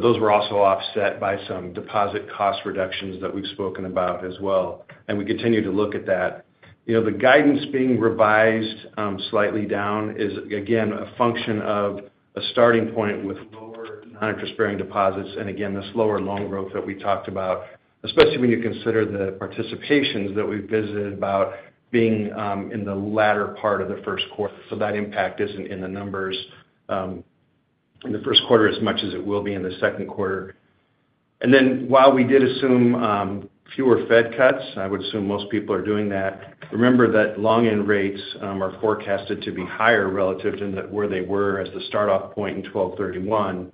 Those were also offset by some deposit cost reductions that we've spoken about as well. We continue to look at that. The guidance being revised slightly down is, again, a function of a starting point with lower non-interest-bearing deposits and, again, this lower loan growth that we talked about, especially when you consider the participations that we've talked about being in the latter part of the first quarter. That impact isn't in the numbers in the first quarter as much as it will be in the second quarter. And then while we did assume fewer Fed cuts, I would assume most people are doing that, remember that long-end rates are forecasted to be higher relative to where they were as the start-off point in 12/31.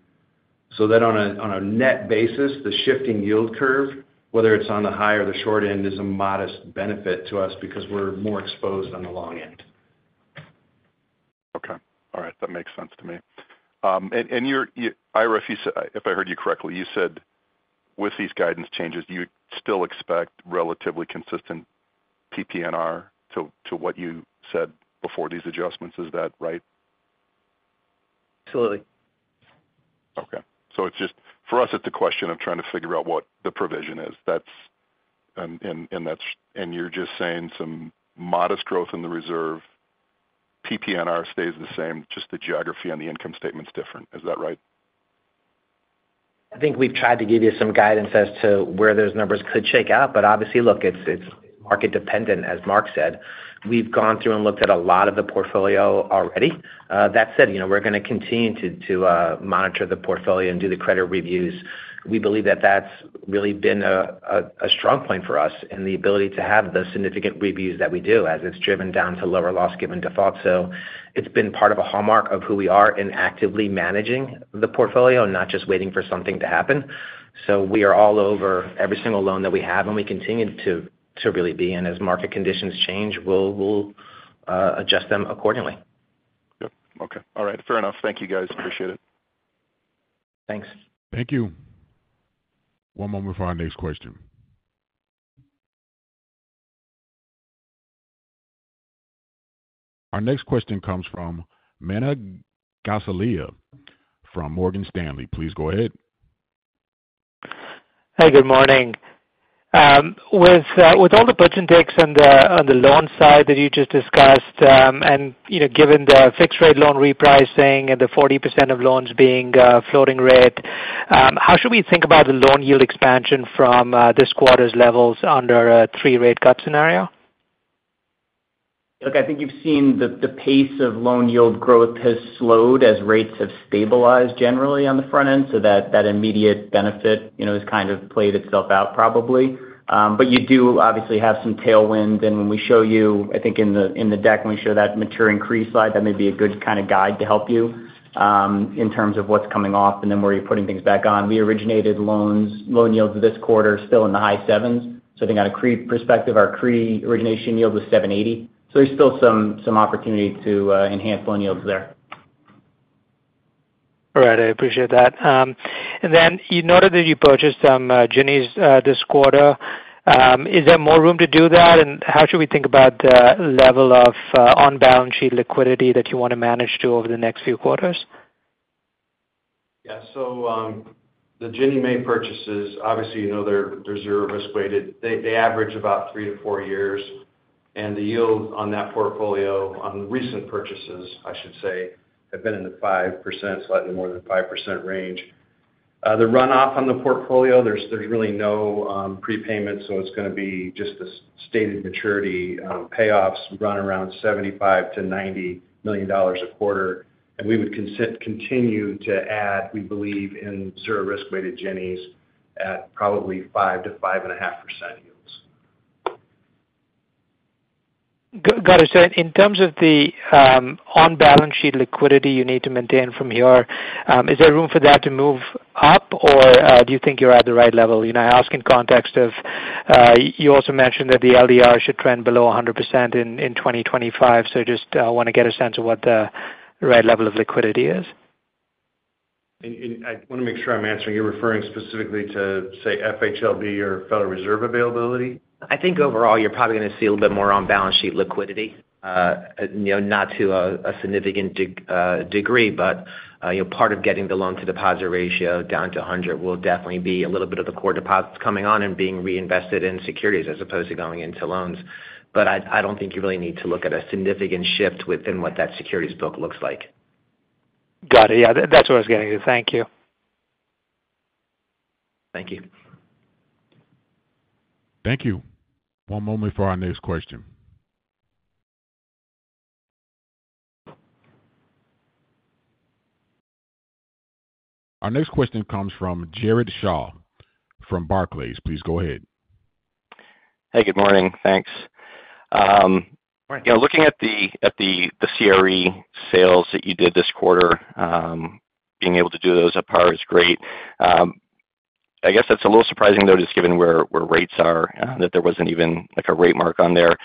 So that on a net basis, the shifting yield curve, whether it's on the high or the short end, is a modest benefit to us because we're more exposed on the long end. Okay. All right. That makes sense to me. And Ira, if I heard you correctly, you said with these guidance changes, you still expect relatively consistent PPNR to what you said before these adjustments. Is that right? Absolutely. Okay. So for us, it's a question of trying to figure out what the provision is. You're just saying some modest growth in the reserve. PPNR stays the same. Just the geography on the income statement's different. Is that right? I think we've tried to give you some guidance as to where those numbers could shake out. But obviously, look, it's market-dependent, as Mark said. We've gone through and looked at a lot of the portfolio already. That said, we're going to continue to monitor the portfolio and do the credit reviews. We believe that that's really been a strong point for us and the ability to have the significant reviews that we do as it's driven down to lower loss given default. So it's been part of a hallmark of who we are in actively managing the portfolio and not just waiting for something to happen. So we are all over every single loan that we have. And we continue to really be. And as market conditions change, we'll adjust them accordingly. Yep. Okay. All right. Fair enough. Thank you, guys. Appreciate it. Thanks. Thank you. One moment for our next question. Our next question comes from Manan Gosalia from Morgan Stanley. Please go ahead. Hey. Good morning. With all the puts and takes on the loan side that you just discussed and given the fixed-rate loan repricing and the 40% of loans being floating rate, how should we think about the loan yield expansion from this quarter's levels under a three-rate cut scenario? Look, I think you've seen the pace of loan yield growth has slowed as rates have stabilized generally on the front end. So that immediate benefit has kind of played itself out, probably. But you do obviously have some tailwinds. And when we show you, I think in the deck, when we show that mature increase slide, that may be a good kind of guide to help you in terms of what's coming off and then where you're putting things back on. We originated loan yields this quarter still in the high 7s. So I think out of CRE perspective, our CRE origination yield was 780. So there's still some opportunity to enhance loan yields there. All right. I appreciate that. And then you noted that you purchased some Ginnie Maes this quarter. Is there more room to do that? And how should we think about the level of on-balance sheet liquidity that you want to manage to over the next few quarters? Yeah. So the Ginnie Mae purchases, obviously, they're zero risk-weighted. They average about 3-4 years. And the yields on that portfolio, on recent purchases, I should say, have been in the 5%, slightly more than 5% range. The runoff on the portfolio, there's really no prepayment. So it's going to be just the stated maturity payoffs run around $75,000,000-$90,000,000 a quarter. And we would continue to add, we believe, in zero risk-weighted Ginnie Maes at probably 5%-5.5% yields. Got it. So in terms of the on-balance sheet liquidity you need to maintain from here, is there room for that to move up? Or do you think you're at the right level? I ask in context of you also mentioned that the LDR should trend below 100% in 2025. So I just want to get a sense of what the right level of liquidity is. I want to make sure I'm answering. You're referring specifically to, say, FHLB or Federal Reserve availability? I think overall, you're probably going to see a little bit more on-balance sheet liquidity, not to a significant degree. Part of getting the Loan-to-Deposit Ratio down to 100% will definitely be a little bit of the core deposits coming on and being reinvested in securities as opposed to going into loans. I don't think you really need to look at a significant shift within what that securities book looks like. Got it. Yeah. That's what I was getting to. Thank you. Thank you. Thank you. One moment for our next question. Our next question comes from Jared Shaw from Barclays. Please go ahead. Hey. Good morning. Thanks. Looking at the CRE sales that you did this quarter, being able to do those at par is great. I guess that's a little surprising, though, just given where rates are, that there wasn't even a rate mark on there.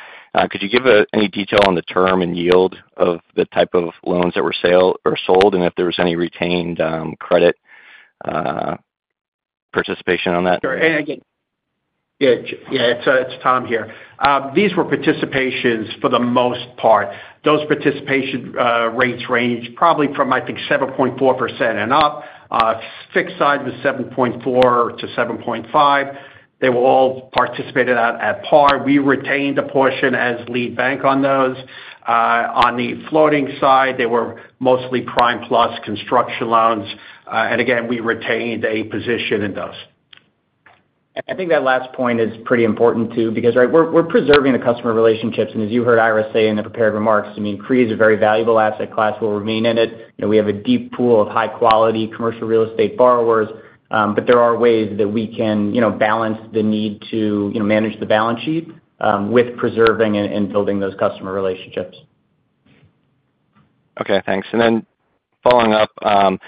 Could you give any detail on the term and yield of the type of loans that were sold and if there was any retained credit participation on that? Sure. And again. Yeah. Yeah. It's Tom here. These were participations for the most part. Those participation rates range probably from, I think, 7.4% and up. Fixed side was 7.4%-7.5%. They were all participated at par. We retained a portion as lead bank on those. On the floating side, they were mostly prime-plus construction loans. And again, we retained a position in those. I think that last point is pretty important too because, right, we're preserving the customer relationships. As you heard Ira say in the prepared remarks, I mean, CRE is a very valuable asset class. We'll remain in it. We have a deep pool of high-quality commercial real estate borrowers. But there are ways that we can balance the need to manage the balance sheet with preserving and building those customer relationships. Okay. Thanks. And then following up, what's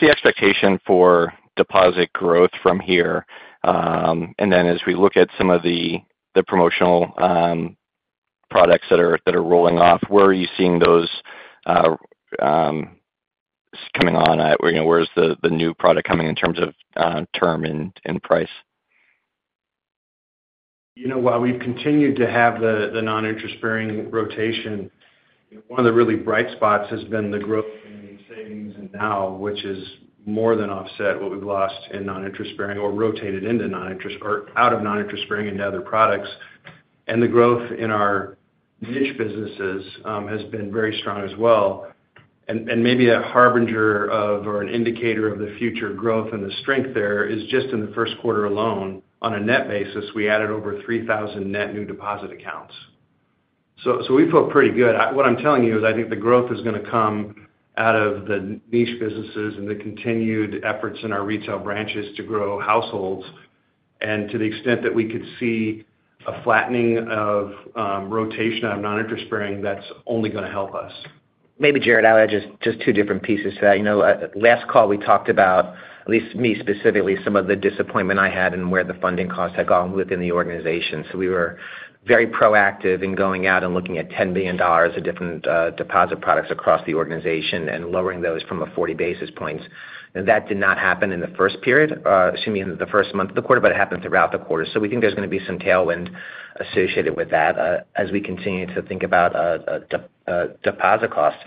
the expectation for deposit growth from here? And then as we look at some of the promotional products that are rolling off, where are you seeing those coming on? Where's the new product coming in terms of term and price? While we've continued to have the non-interest-bearing rotation, one of the really bright spots has been the growth in savings and now, which is more than offset what we've lost in non-interest-bearing or rotated into non-interest or out of non-interest-bearing into other products. The growth in our niche businesses has been very strong as well. Maybe a harbinger of or an indicator of the future growth and the strength there is just in the first quarter alone, on a net basis, we added over 3,000 net new deposit accounts. So we feel pretty good. What I'm telling you is I think the growth is going to come out of the niche businesses and the continued efforts in our retail branches to grow households. To the extent that we could see a flattening of rotation on non-interest-bearing, that's only going to help us. Maybe, Jared, I'll add just two different pieces to that. Last call, we talked about, at least me specifically, some of the disappointment I had and where the funding costs had gone within the organization. So we were very proactive in going out and looking at $10,000,000,000 of different deposit products across the organization and lowering those from a 40 basis points. And that did not happen in the first period excuse me, in the first month of the quarter. But it happened throughout the quarter. So we think there's going to be some tailwind associated with that as we continue to think about deposit costs.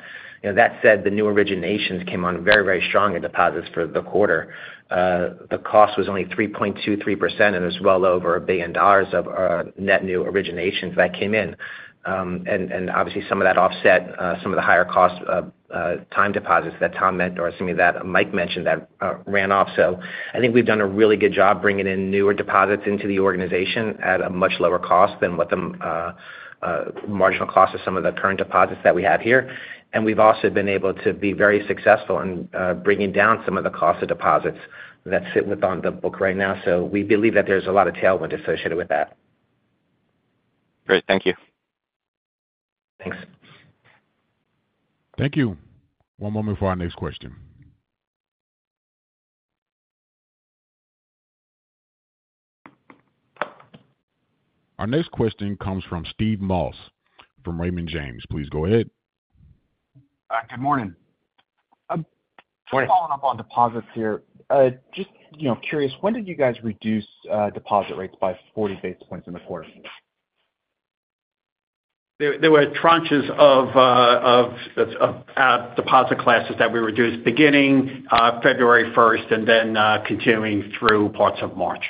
That said, the new originations came on very, very strong in deposits for the quarter. The cost was only 3.23%. And it was well over $1,000,000,000 of net new originations that came in. Obviously, some of that offset some of the higher cost time deposits that Tom mentioned or excuse me, that Mike mentioned that ran off. I think we've done a really good job bringing in newer deposits into the organization at a much lower cost than what the marginal cost of some of the current deposits that we have here. We've also been able to be very successful in bringing down some of the cost of deposits that sit on the books right now. We believe that there's a lot of tailwind associated with that. Great. Thank you. Thanks. Thank you. One moment for our next question. Our next question comes from Steve Moss from Raymond James. Please go ahead. Good morning. Just following up on deposits here. Just curious, when did you guys reduce deposit rates by 40 basis points in the quarter? There were tranches of deposit classes that we reduced beginning February 1st and then continuing through parts of March.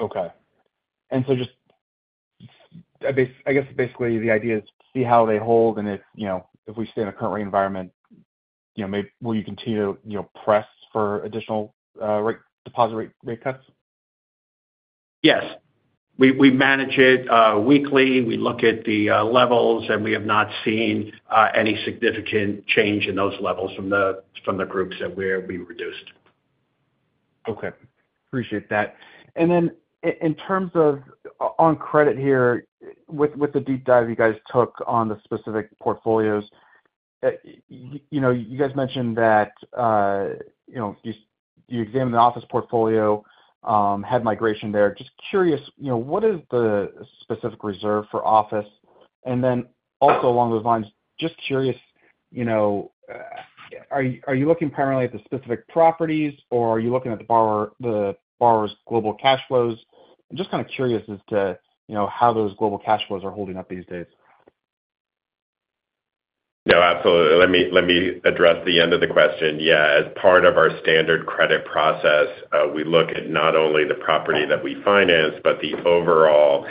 Okay. So just I guess basically, the idea is to see how they hold. And if we stay in the current rate environment, will you continue to press for additional deposit rate cuts? Yes. We manage it weekly. We look at the levels. We have not seen any significant change in those levels from the groups that we reduced. Okay. Appreciate that. And then in terms of on credit here, with the deep dive you guys took on the specific portfolios, you guys mentioned that you examined the office portfolio, had migration there. Just curious, what is the specific reserve for office? And then also along those lines, just curious, are you looking primarily at the specific properties? Or are you looking at the borrower's global cash flows? I'm just kind of curious as to how those global cash flows are holding up these days. No. Absolutely. Let me address the end of the question. Yeah. As part of our standard credit process, we look at not only the property that we finance but the overall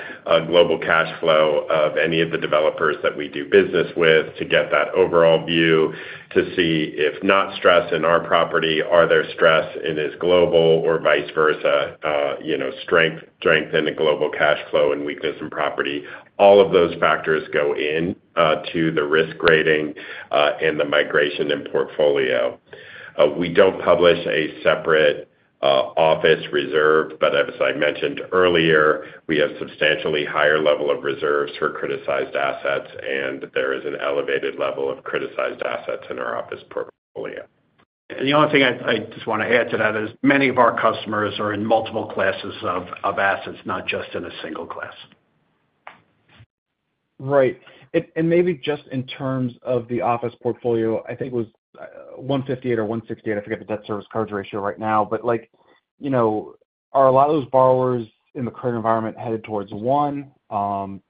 global cash flow of any of the developers that we do business with to get that overall view to see if not stress in our property, are there stress in its global or vice versa, strength in the global cash flow and weakness in property. All of those factors go into the risk rating and the migration in portfolio. We don't publish a separate office reserve. But as I mentioned earlier, we have a substantially higher level of reserves for criticized assets. And there is an elevated level of criticized assets in our office portfolio. The only thing I just want to add to that is many of our customers are in multiple classes of assets, not just in a single class. Right. Maybe just in terms of the office portfolio, I think it was 158 or 168. I forget the debt service coverage ratio right now. But are a lot of those borrowers in the current environment headed towards 1?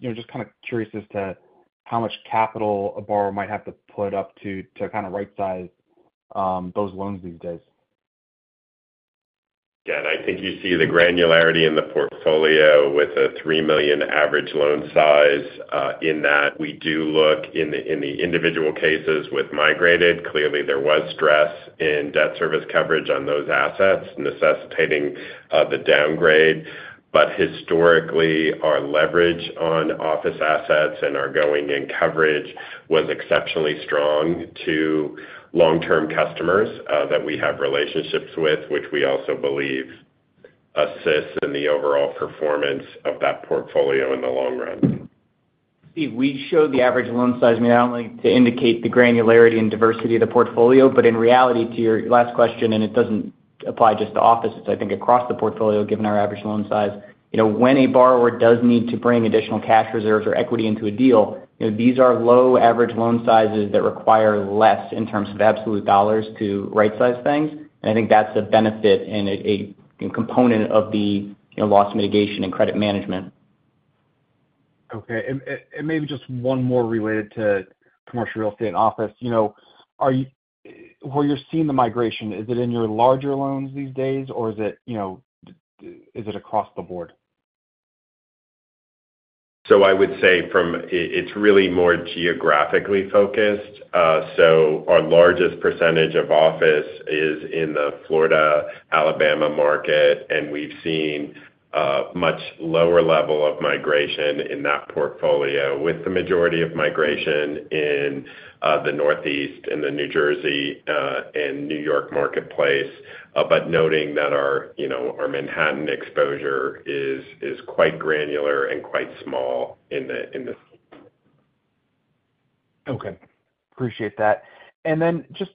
Just kind of curious as to how much capital a borrower might have to put up to kind of right-size those loans these days. Yeah. I think you see the granularity in the portfolio with a $3,000,000 average loan size in that. We do look in the individual cases with migrated. Clearly, there was stress in debt service coverage on those assets necessitating the downgrade. But historically, our leverage on office assets and our going-in coverage was exceptionally strong to long-term customers that we have relationships with, which we also believe assists in the overall performance of that portfolio in the long run. Steve, we show the average loan size. I mean, not only to indicate the granularity and diversity of the portfolio. But in reality, to your last question - and it doesn't apply just to office - it's, I think, across the portfolio given our average loan size. When a borrower does need to bring additional cash reserves or equity into a deal, these are low-average loan sizes that require less in terms of absolute dollars to right-size things. And I think that's a benefit and a component of the loss mitigation and credit management. Okay. And maybe just one more related to commercial real estate and office. Where you're seeing the migration, is it in your larger loans these days? Or is it across the board? So I would say it's really more geographically focused. So our largest percentage of office is in the Florida, Alabama market. And we've seen a much lower level of migration in that portfolio with the majority of migration in the Northeast and the New Jersey and New York marketplace. But noting that our Manhattan exposure is quite granular and quite small in the state. Okay. Appreciate that. Then just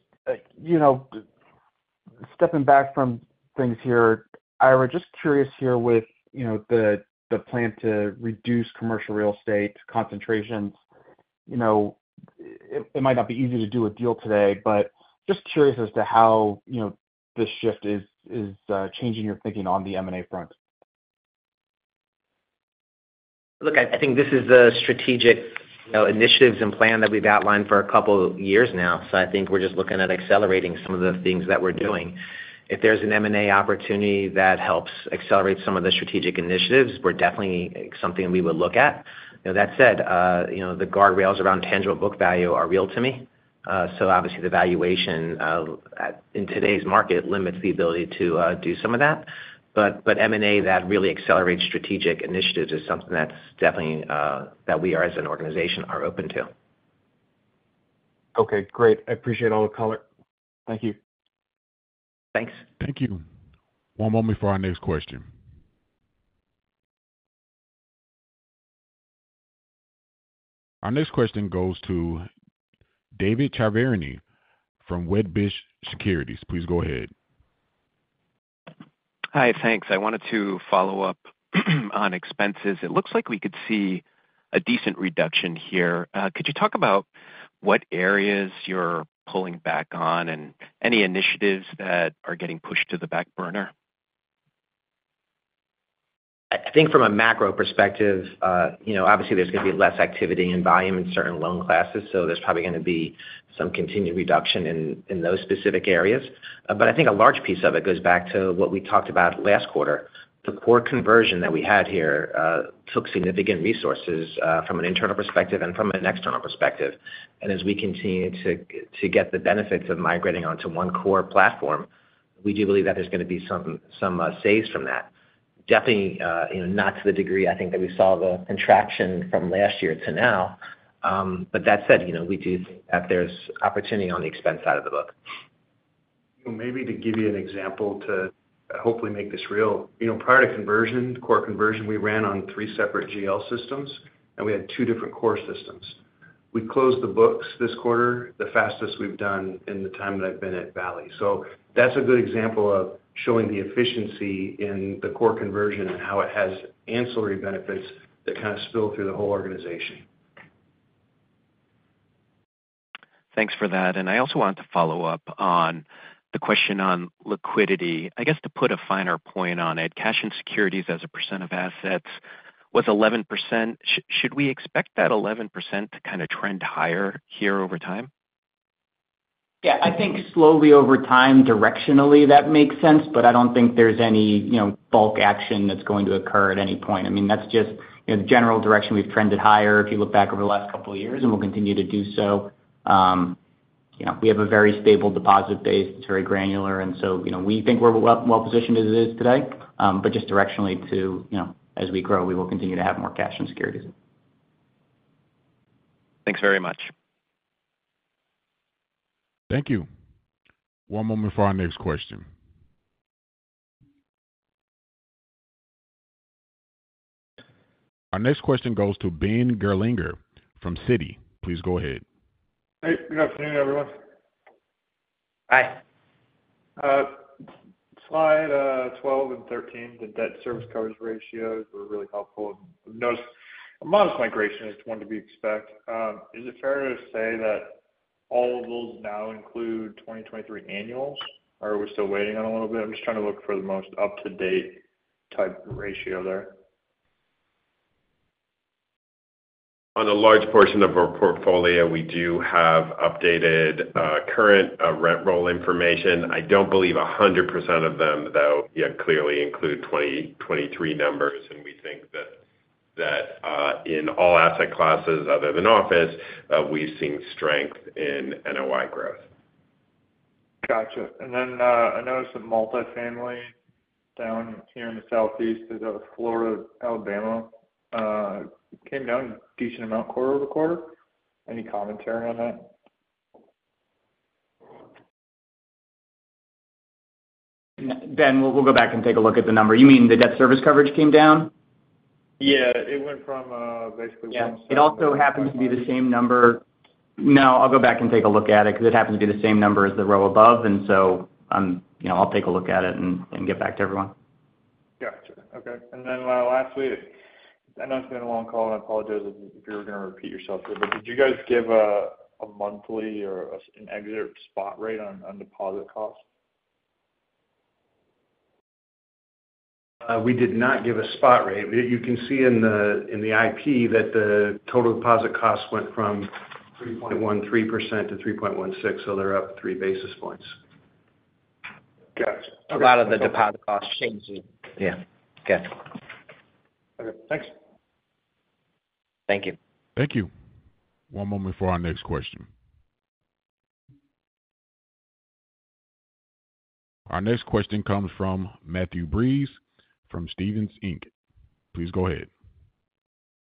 stepping back from things here, Ira, just curious here with the plan to reduce commercial real estate concentrations, it might not be easy to do a deal today. But just curious as to how this shift is changing your thinking on the M&A front. Look, I think this is a strategic initiative and plan that we've outlined for a couple of years now. So I think we're just looking at accelerating some of the things that we're doing. If there's an M&A opportunity that helps accelerate some of the strategic initiatives, we're definitely something we would look at. That said, the guardrails around tangible book value are real to me. So obviously, the valuation in today's market limits the ability to do some of that. But M&A that really accelerates strategic initiatives is something that's definitely that we are as an organization are open to. Okay. Great. I appreciate all the color. Thank you. Thanks. Thank you. One moment for our next question. Our next question goes to David Chiaverini from Wedbush Securities. Please go ahead. Hi. Thanks. I wanted to follow up on expenses. It looks like we could see a decent reduction here. Could you talk about what areas you're pulling back on and any initiatives that are getting pushed to the back burner? I think from a macro perspective, obviously, there's going to be less activity and volume in certain loan classes. So there's probably going to be some continued reduction in those specific areas. But I think a large piece of it goes back to what we talked about last quarter. The core conversion that we had here took significant resources from an internal perspective and from an external perspective. And as we continue to get the benefits of migrating onto one core platform, we do believe that there's going to be some saves from that. Definitely not to the degree, I think, that we saw the contraction from last year to now. But that said, we do think that there's opportunity on the expense side of the book. Maybe to give you an example to hopefully make this real, prior to conversion, core conversion, we ran on three separate GL systems. We had two different core systems. We closed the books this quarter the fastest we've done in the time that I've been at Valley. That's a good example of showing the efficiency in the core conversion and how it has ancillary benefits that kind of spill through the whole organization. Thanks for that. I also wanted to follow up on the question on liquidity. I guess to put a finer point on it, cash and securities as a percent of assets was 11%. Should we expect that 11% to kind of trend higher here over time? Yeah. I think slowly over time, directionally, that makes sense. But I don't think there's any bulk action that's going to occur at any point. I mean, that's just the general direction. We've trended higher if you look back over the last couple of years. And we'll continue to do so. We have a very stable deposit base. It's very granular. And so we think we're well-positioned as it is today. But just directionally to as we grow, we will continue to have more cash and securities. Thanks very much. Thank you. One moment for our next question. Our next question goes to Ben Gerlinger from Citi. Please go ahead. Hey. Good afternoon, everyone. Hi. Slide 12 and 13, the debt service coverage ratios were really helpful. I've noticed a modest migration as one to be expected. Is it fair to say that all of those now include 2023 annuals? Or are we still waiting on a little bit? I'm just trying to look for the most up-to-date type ratio there. On a large portion of our portfolio, we do have updated current rent roll information. I don't believe 100% of them, though, clearly include 2023 numbers. We think that in all asset classes other than office, we've seen strength in NOI growth. Gotcha. And then I noticed that multifamily down here in the Southeast, Florida, Alabama, came down a decent amount quarter-over-quarter. Any commentary on that? Ben, we'll go back and take a look at the number. You mean the debt service coverage came down? Yeah. It went from basically 17. Yeah. It also happens to be the same number no. I'll go back and take a look at it because it happens to be the same number as the row above. And so I'll take a look at it and get back to everyone. Gotcha. Okay. And then lastly, I know it's been a long call. And I apologize if you were going to repeat yourself here. But did you guys give a monthly or an exit spot rate on deposit costs? We did not give a spot rate. You can see in the IP that the total deposit costs went from 3.13% to 3.16%. So they're up 3 basis points. Gotcha. A lot of the deposit costs changed. Yeah. Gotcha. Okay. Thanks. Thank you. Thank you. One moment for our next question. Our next question comes from Matthew Breese from Stephens Inc. Please go ahead.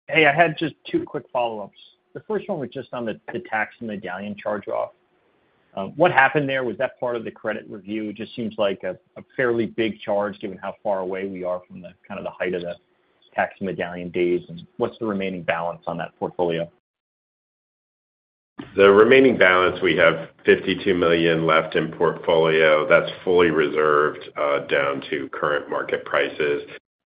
Hey. I had just two quick follow-ups. The first one was just on the taxi medallion charge-off. What happened there? Was that part of the credit review? It just seems like a fairly big charge given how far away we are from kind of the height of the taxi medallion days. And what's the remaining balance on that portfolio? The remaining balance, we have $52,000,000 left in portfolio. That's fully reserved down to current market prices.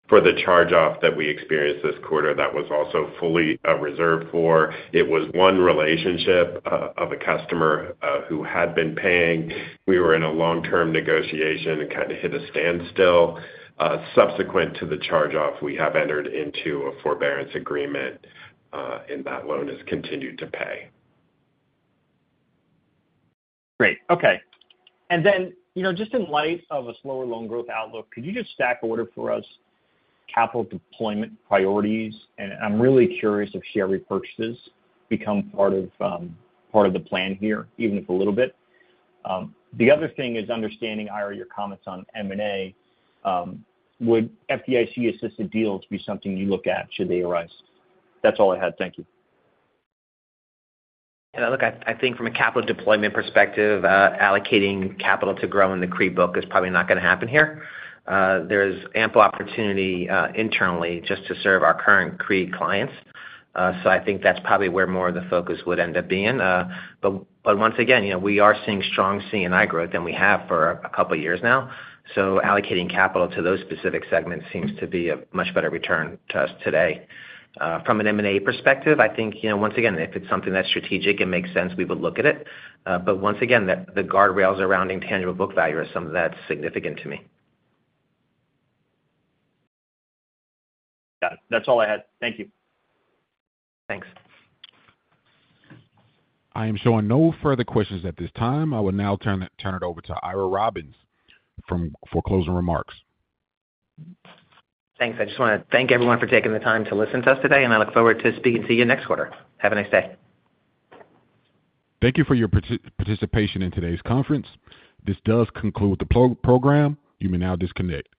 For the charge-off that we experienced this quarter, that was also fully reserved for. It was one relationship of a customer who had been paying. We were in a long-term negotiation and kind of hit a standstill. Subsequent to the charge-off, we have entered into a forbearance agreement. That loan has continued to pay. Great. Okay. And then just in light of a slower loan growth outlook, could you just stack order for us capital deployment priorities? And I'm really curious if share repurchases become part of the plan here, even if a little bit. The other thing is understanding, Ira, your comments on M&A. Would FDIC-assisted deals be something you look at should they arise? That's all I had. Thank you. Yeah. Look, I think from a capital deployment perspective, allocating capital to grow in the CRE book is probably not going to happen here. There is ample opportunity internally just to serve our current CRE clients. So I think that's probably where more of the focus would end up being. But once again, we are seeing strong C&I growth than we have for a couple of years now. So allocating capital to those specific segments seems to be a much better return to us today. From an M&A perspective, I think once again, if it's something that's strategic and makes sense, we would look at it. But once again, the guardrails around tangible book value are something that's significant to me. Gotcha. That's all I had. Thank you. Thanks. I am showing no further questions at this time. I will now turn it over to Ira Robbins for closing remarks. Thanks. I just want to thank everyone for taking the time to listen to us today. I look forward to speaking to you next quarter. Have a nice day. Thank you for your participation in today's conference. This does conclude the program. You may now disconnect.